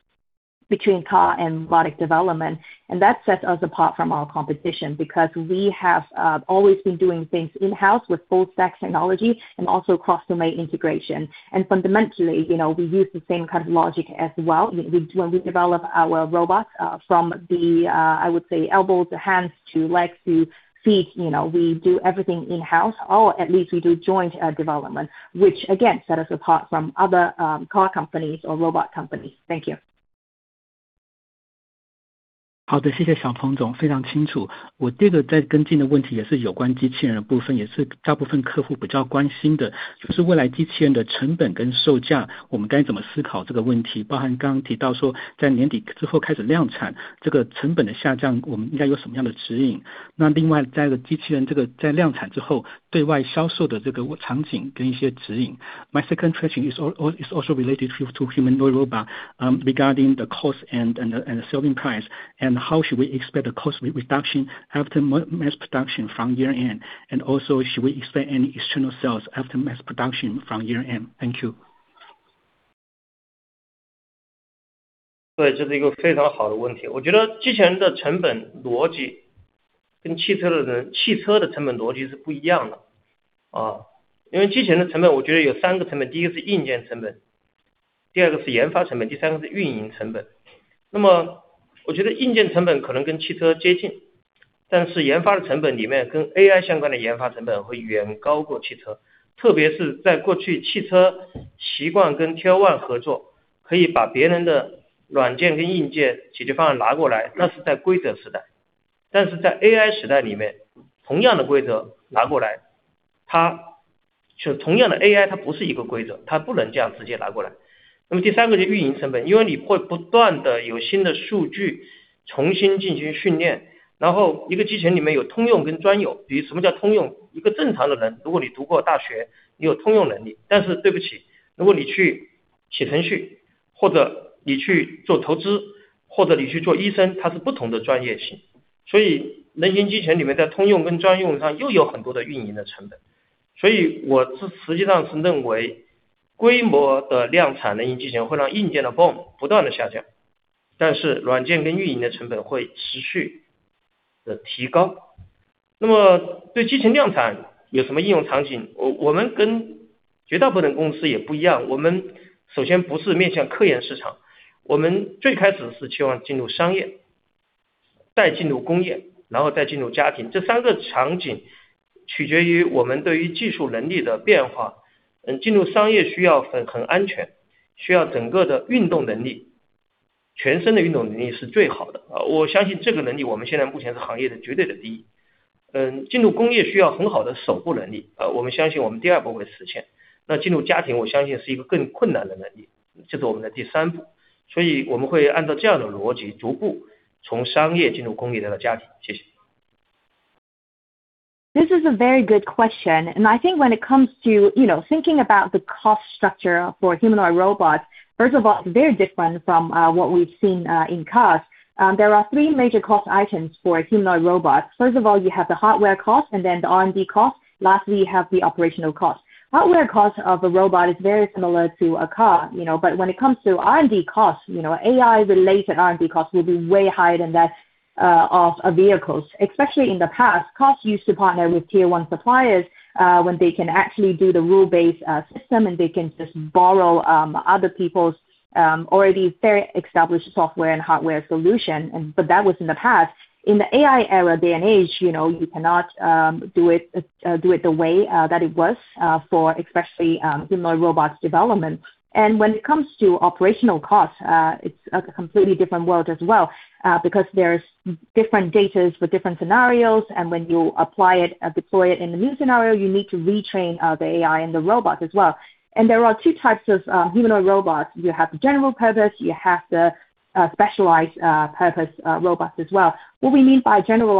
between car and robotic development. That sets us apart from our competition because we have always been doing things in-house with full stack technology and also cross-domain integration. Fundamentally, you know, we use the same kind of logic as well. We, when we develop our robots from the, I would say elbows, the hands to legs to feet, you know, we do everything in-house, or at least we do joint development, which again set us apart from other car companies or robot companies. Thank you. 好的，谢谢小鹏总，非常清楚。我接着再跟进的问题也是有关机器人的部分，也是大部分客户比较关心的，就是未来机器人的成本跟售价，我们该怎么思考这个问题，包含刚刚提到说在年底之后开始量产，这个成本的下降我们应该有什么样的指引。那另外在机器人这个在量产之后对外销售的这个场景跟一些指引。My second question is also related to humanoid robot, regarding the cost and the selling price, and how should we expect the cost reduction after mass production from year end? Also, should we expect any external sales after mass production from year end? Thank you. 对，这是一个非常好的问题。我觉得机器人的成本逻辑跟汽车的成本逻辑是不一样的。因为机器人的成本我觉得有三个成本，第一个是硬件成本，第二个是研发成本，第三个是运营成本。那么我觉得硬件成本可能跟汽车接近，但是研发的成本里面跟AI相关的研发成本会远高过汽车，特别是在过去汽车习惯跟Tier This is a very good question, and I think when it comes to, you know, thinking about the cost structure for humanoid robots, first of all, it's very different from what we've seen in cars. There are three major cost items for a humanoid robot. First of all, you have the hardware cost, and then the R&D cost, lastly, you have the operational cost. Hardware cost of a robot is very similar to a car, you know, but when it comes to R&D costs, you know, AI related R&D costs will be way higher than that of a vehicle, especially in the past, cars used to partner with Tier 1 suppliers, when they can actually do the rule-based system and they can just borrow other people's already very established software and hardware solution. But that was in the past. In the AI era day and age, you know, you cannot do it the way that it was for especially humanoid robots' development. When it comes to operational costs, it's a completely different world as well because there's different data for different scenarios. When you apply it and deploy it in a new scenario, you need to retrain the AI and the robots as well. There are two types of humanoid robots. You have the general purpose; you have the specialized purpose robots as well. What we mean by general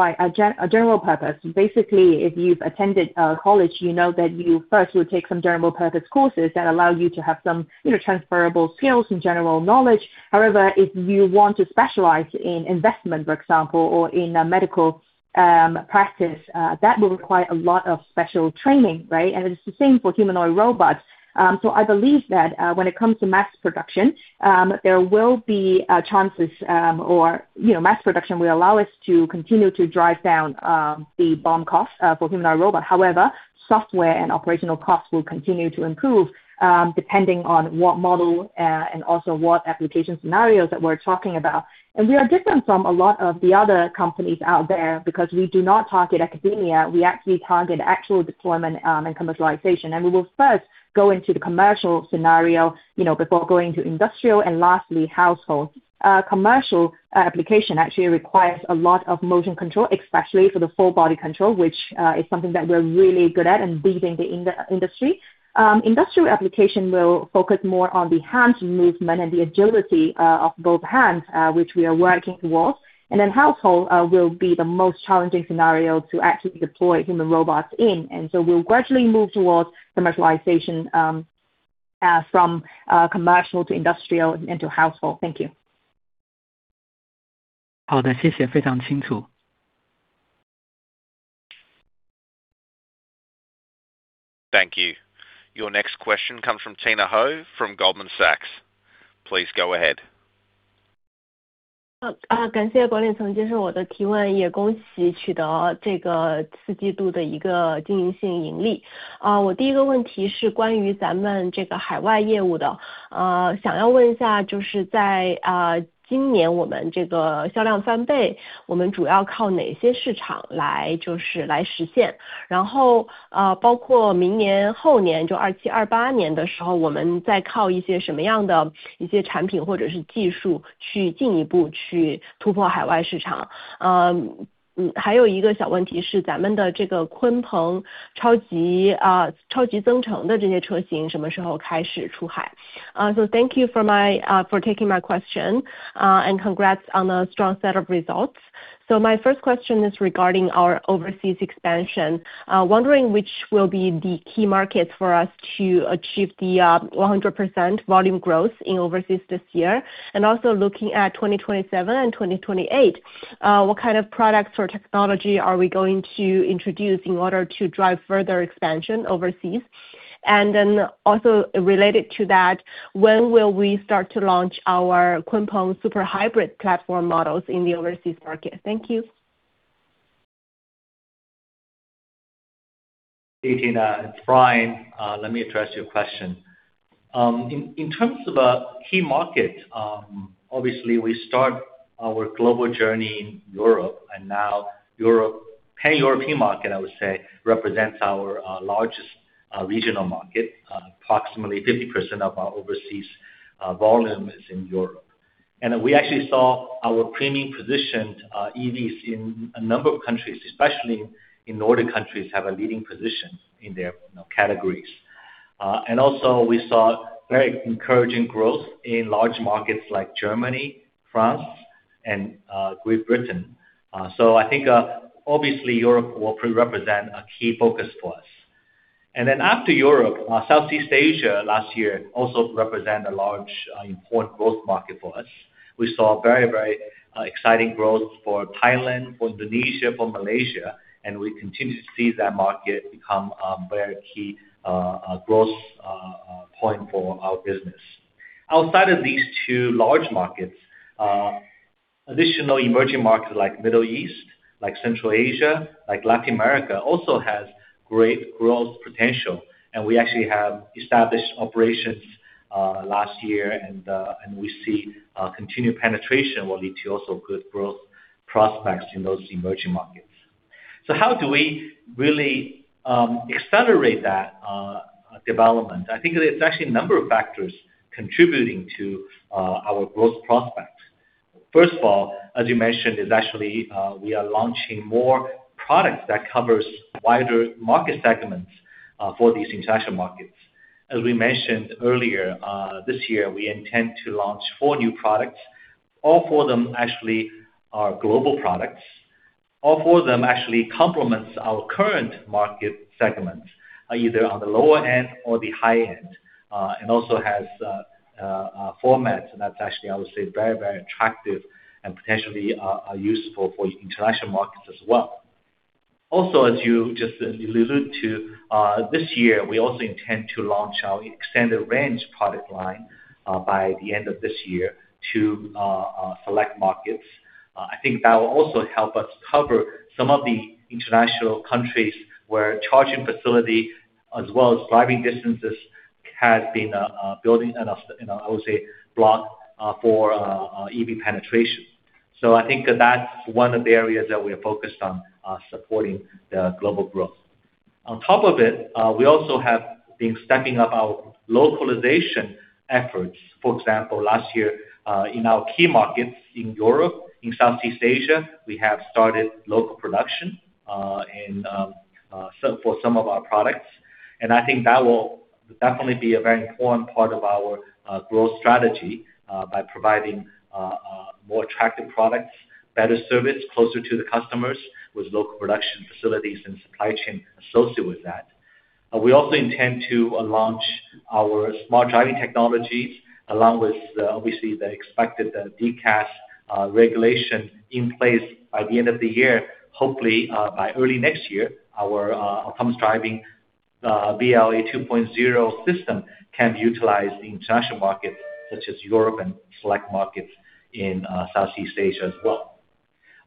purpose, basically, if you've attended college, you know that you first would take some general-purpose courses that allow you to have some, you know, transferable skills and general knowledge. However, if you want to specialize in investment, for example, or in a medical practice, that will require a lot of special training, right? It's the same for humanoid robots. I believe that when it comes to mass production, you know, mass production will allow us to continue to drive down the BOM costs for humanoid robot. However, software and operational costs will continue to improve depending on what model and also what application scenarios that we're talking about. We are different from a lot of the other companies out there because we do not target academia. We actually target actual deployment and commercialization. We will first go into the commercial scenario, you know, before going to industrial and lastly, household. Commercial application actually requires a lot of motion control, especially for the full body control, which is something that we're really good at and leading the industry. Industrial application will focus more on the hand movement and the agility of both hands, which we are working towards. Household will be the most challenging scenario to actually deploy human robots in. We'll gradually move towards commercialization from commercial to industrial and to household. Thank you. Thank you. Your next question comes from Tina Hou from Goldman Sachs. Please go ahead. Thank you for taking my question, and congrats on a strong set of results. My first question is regarding our overseas expansion. Wondering which will be the key markets for us to achieve the 100% volume growth in overseas this year? And also looking at 2027 and 2028, what kind of products or technology are we going to introduce in order to drive further expansion overseas? And then also related to that, when will we start to launch our Kunpeng Super Hybrid platform models in the overseas market? Thank you. Hey, Tina. It's Brian. Let me address your question. In terms of key markets, obviously, we start our global journey in Europe and now Europe, pan-European market, I would say, represents our largest regional market. Approximately 50% of our overseas volume is in Europe. We actually saw our premium positioned EVs in a number of countries, especially in northern countries, have a leading position in there, you know, categories. Also, we saw very encouraging growth in large markets like Germany, France and Great Britain. I think, obviously Europe will represent a key focus for us. After Europe, Southeast Asia last year also represent a large important growth market for us. We saw very exciting growth for Thailand, for Indonesia, for Malaysia, and we continue to see that market become a very key growth point for our business. Outside of these two large markets, additional emerging markets like Middle East, like Central Asia, like Latin America, also has great growth potential. We actually have established operations last year. We see continued penetration will lead to also good growth prospects in those emerging markets. How do we really accelerate that development? I think there's actually a number of factors contributing to our growth prospects. First of all, as you mentioned, is actually we are launching more products that covers wider market segments for these international markets. As we mentioned earlier, this year, we intend to launch four new products. All four of them actually are global products. All four of them actually complement our current market segments, either on the lower end or the high end. And also has formats that's actually, I would say, very, very attractive and potentially are useful for international markets as well. Also, as you just alluded to, this year, we also intend to launch our extended range product line, by the end of this year to select markets. I think that will also help us cover some of the international countries where charging facilities as well as driving distances have been a big enough, you know, I would say blocker for EV penetration. I think that's one of the areas that we are focused on supporting the global growth. On top of it, we also have been stepping up our localization efforts. For example, last year, in our key markets in Europe, in Southeast Asia, we have started local production for some of our products, and I think that will definitely be a very important part of our growth strategy by providing more attractive products, better service closer to the customers with local production facilities and supply chain associated with that. We also intend to launch our smart driving technologies along with obviously the expected DCAS regulation in place by the end of the year. Hopefully, by early next year, our autonomous driving VLA 2.0 system can be utilized in international markets such as Europe and select markets in Southeast Asia as well.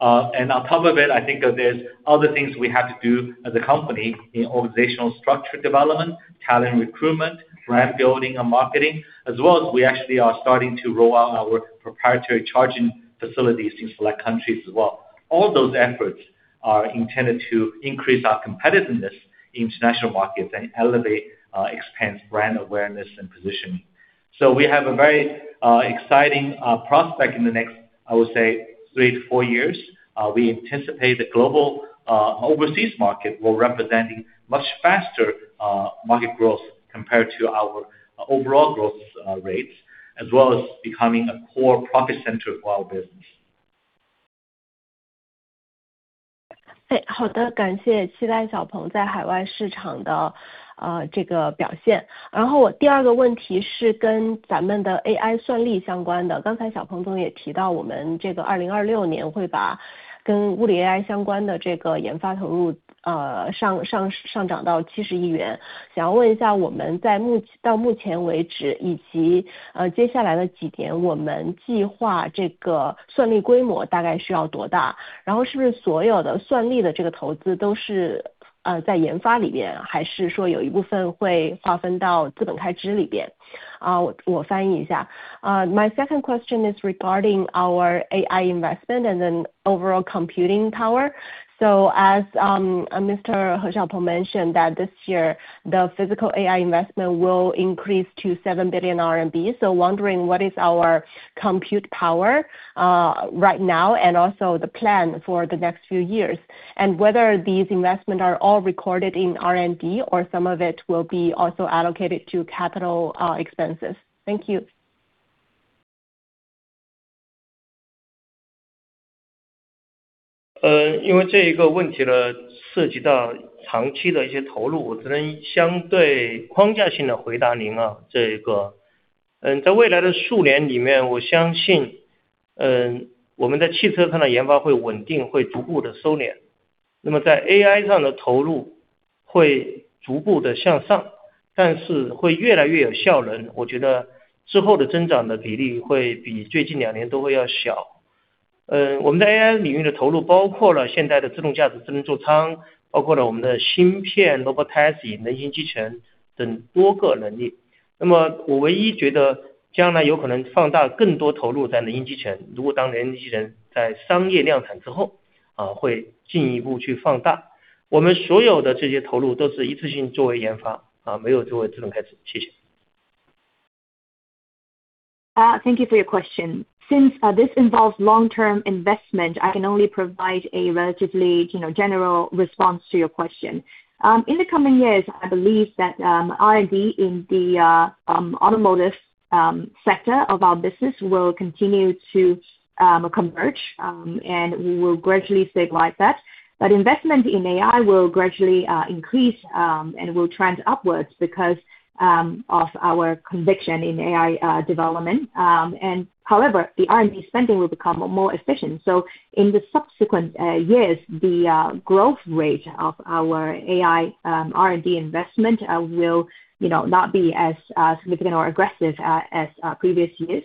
On top of it, I think that there's other things we have to do as a company in organizational structure development, talent recruitment, brand building and marketing, as well as we actually are starting to roll out our proprietary charging facilities in select countries as well. All those efforts are intended to increase our competitiveness in international markets and elevate, expand brand awareness and positioning. We have a very exciting prospect in the next, I would say three to four years. We anticipate the global overseas market will represent much faster market growth compared to our overall growth rates, as well as becoming a core profit center for our business. 好的，感谢，期待小鹏在海外市场的表现。我第二个问题是跟咱们的AI算力相关的。刚才小鹏总也提到我们这个2026年会把跟物理AI相关的这个研发投入上涨到70亿元。想要问一下我们在目前，到目前为止以及接下来的几年，我们计划这个算力规模大概需要多大，然后是不是所有的算力的这个投资都是在研发里面，还是说有一部分会划分到CapEx里边。我翻译一下。Uh, my second question is regarding our AI investment and then overall computing power. Mr. He Xiaopeng mentioned that this year the physical AI investment will increase to 7 billion RMB. Wondering what is our compute power right now and also the plan for the next few years and whether these investments are all recorded in R&D or some of it will be also allocated to capital expenses. Thank you. Thank you for your question. Since this involves long-term investment, I can only provide a relatively, you know, general response to your question. In the coming years, I believe that R&D in the automotive sector of our business will continue to converge, and we will gradually stabilize that. Investment in AI will gradually increase and will trend upwards because of our conviction in AI development. However, the R&D spending will become more efficient. In the subsequent years, the growth rate of our AI R&D investment will, you know, not be as significant or aggressive as previous years.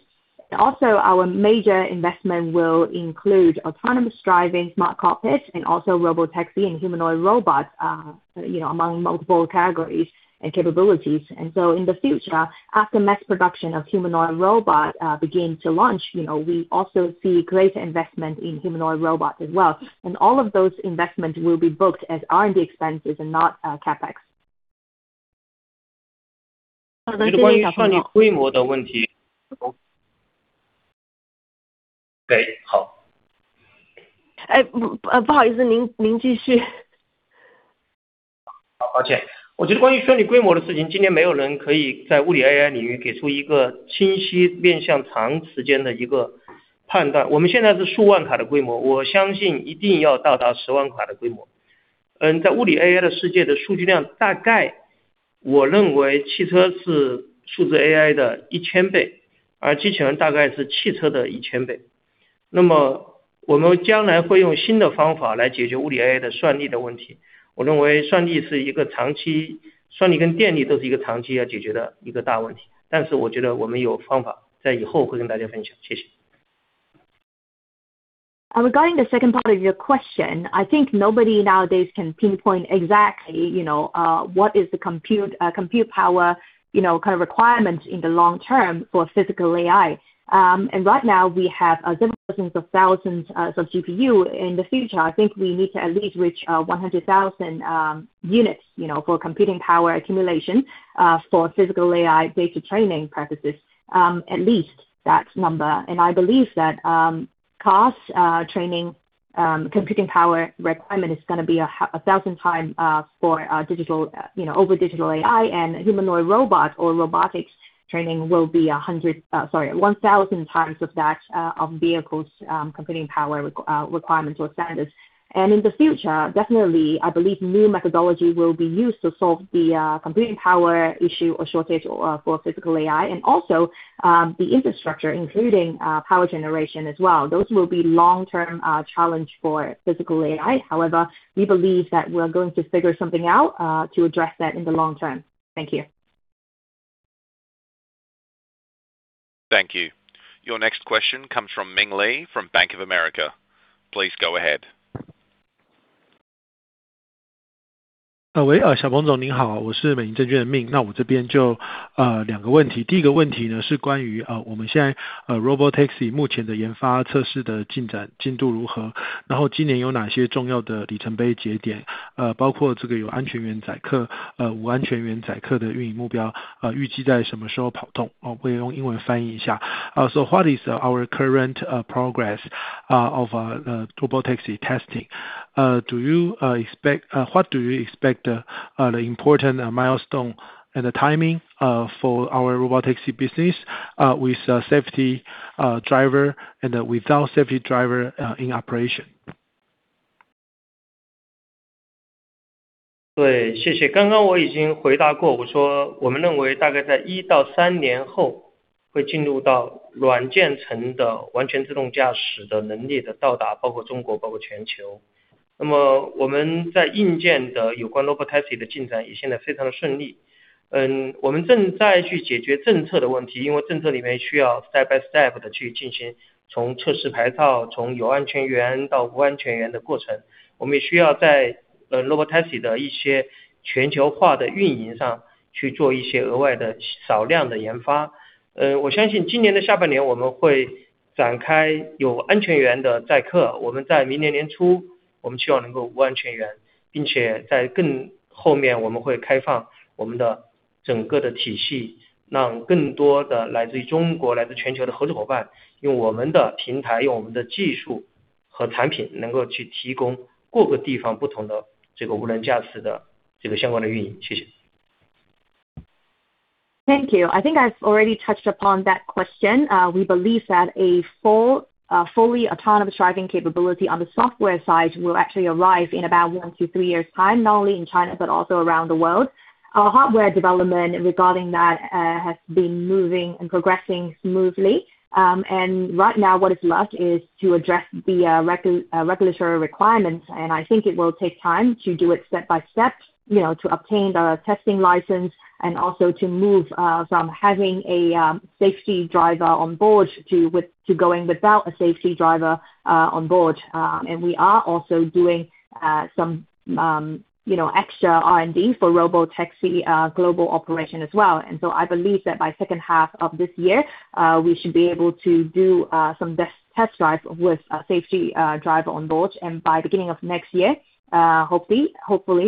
Also, our major investment will include autonomous driving, smart cockpit and also Robotaxi and humanoid robot, you know, among multiple categories and capabilities. In the future, after mass production of humanoid robot begin to launch, you know, we also see greater investment in humanoid robot as well. All of those investments will be booked as R&D expenses and not CapEx. 好的，谢谢小鹏总。觉得关于算力规模的问题。对，好。不好意思，您继续。Regarding the second part of your question, I think nobody nowadays can pinpoint exactly, you know, what is the compute power, you know, kind of requirements in the long term for physical AI. Right now, we have dozens of thousands or so GPUs. In the future, I think we need to at least reach 100,000 units, you know, for computing power accumulation for physical AI basic training purposes, at least that number. I believe that training computing power requirement is going to be a thousand times for digital, you know, over digital AI and humanoid robot or robotics training will be one thousand times of that of vehicles' computing power requirements or standards. In the future, definitely I believe new methodology will be used to solve the computing power issue or shortage or for physical AI and also the infrastructure including power generation as well. Those will be long-term challenge for physical AI. However, we believe that we're going to figure something out to address that in the long term. Thank you. Thank you. Your next question comes from Ming Lee from Bank of America. Please go ahead. 小鹏总您好，我是美林证券的Ming，那我这边就两个问题。第一个问题呢，是关于我们现在Robotaxi目前的研发测试的进展进度如何，然后今年有哪些重要的里程碑节点，包括这个有安全员载客、无安全员载客的运营目标，预计在什么时候跑通？可以用英文翻译一下。So what is our current progress of Robotaxi testing? What do you expect, the important milestone and the timing, for our Robotaxi business, with safety driver and without safety driver, in operation? 对，谢谢。刚刚我已经回答过，我说我们认为大概在一到三年后会进入到软件层的完全自动驾驶的能力的到达，包括中国，包括全球。那么我们在硬件的有关Robotaxi的进展也现在非常的顺利，我们正在去解决政策的问题，因为政策里面需要step by step地去进行，从测试牌照，从有安全员到无安全员的过程，我们也需要在Robotaxi的一些全球化的运营上，去做一些额外的少量的研发。我相信今年的下半年我们会展开有安全员的载客，我们在明年年初我们希望能够无安全员，并且在更后面我们会开放我们的整个的体系，让更多的来自于中国、来自全球的合作伙伴，用我们的平台，用我们的技术和产品，能够去提供各个地方不同的无人驾驶的相关运营。谢谢。Thank you. I think I've already touched upon that question. We believe that a fully autonomous driving capability on the software side will actually arrive in about one to three years' time, not only in China but also around the world. Our hardware development regarding that has been moving and progressing smoothly. Right now, what is left is to address the regulatory requirements, and I think it will take time to do it step by step, you know, to obtain the testing license and also to move from having a safety driver on board to going without a safety driver on board. We are also doing some, you know, extra R&D for Robotaxi global operation as well. I believe that by H2 of this year, we should be able to do some test drive with a safety driver on board. By beginning of next year, hopefully,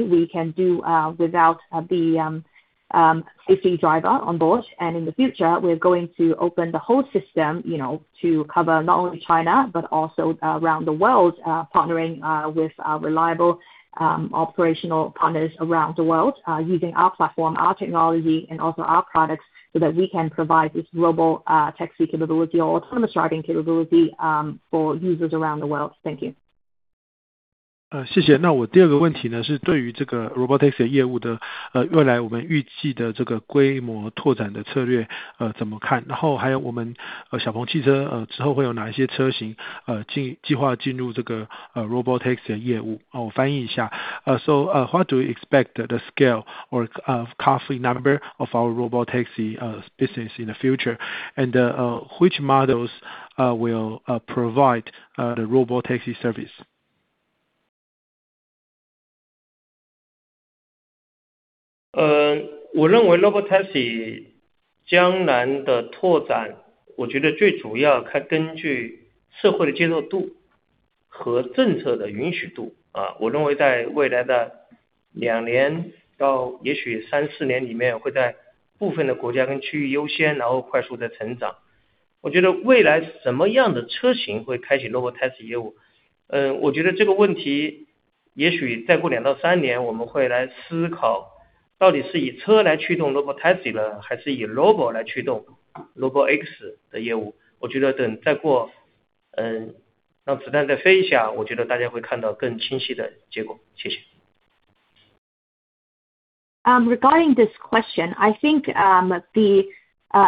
we can do without the safety driver on board. In the future, we're going to open the whole system, you know, to cover not only China but also around the world, partnering with reliable operational partners around the world, using our platform, our technology, and also our products so that we can provide this Robotaxi capability or autonomous driving capability for users around the world. Thank you. 谢谢。那我第二个问题呢，是对于这个Robotaxi业务的未来我们预计的这个规模拓展的策略，怎么看？然后还有我们，小鹏汽车，之后会有哪一些车型，计划进入这个Robotaxi的业务。我翻译一下。So, what do we expect the scale or car fleet number of our Robotaxi business in the future? And which models will provide the Robotaxi service? 我认为Robotaxi将来的拓展，我觉得最主要看根据社会的接受度和政策的允许度。我认为在未来的两年到也许三四年里面，会在部分的国家跟区域优先，然后快速的成长。我觉得未来什么样的车型会开启Robotaxi业务，我觉得这个问题也许再过两到三年，我们会来思考到底是以车来驱动Robotaxi呢，还是以Robo来驱动RoboX的业务。我觉得让子弹再飞一下，我觉得大家会看到更清晰的结果。谢谢。Regarding this question, I think the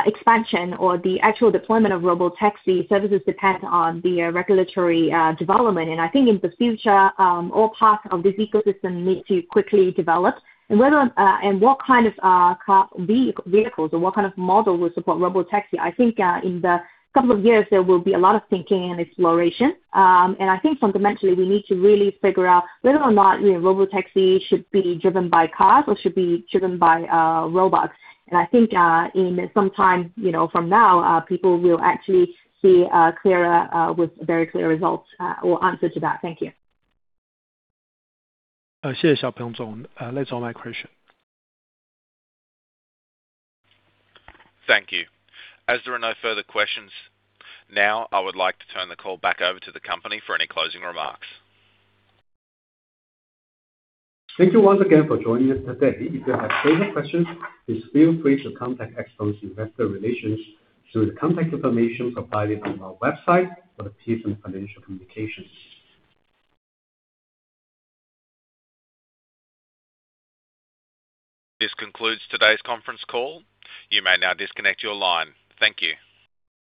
expansion or the actual deployment of Robotaxi services depends on the regulatory development. I think in the future all parts of this ecosystem need to quickly develop. Whether and what kind of vehicles or what kind of model will support Robotaxi? I think in the couple of years there will be a lot of thinking and exploration. I think fundamentally we need to really figure out whether or not, you know, Robotaxi should be driven by cars or should be driven by robots. I think in some time, you know, from now, people will actually see a clearer with very clear results or answer to that. Thank you. Thank you, He Xiaopeng. That's all my question. Thank you. As there are no further questions now, I would like to turn the call back over to the company for any closing remarks. Thank you once again for joining us today. If you have further questions, please feel free to contact XPeng's investor relations through the contact information provided on our website or the Piacente Financial Communications. This concludes today's conference call. You may now disconnect your line. Thank you.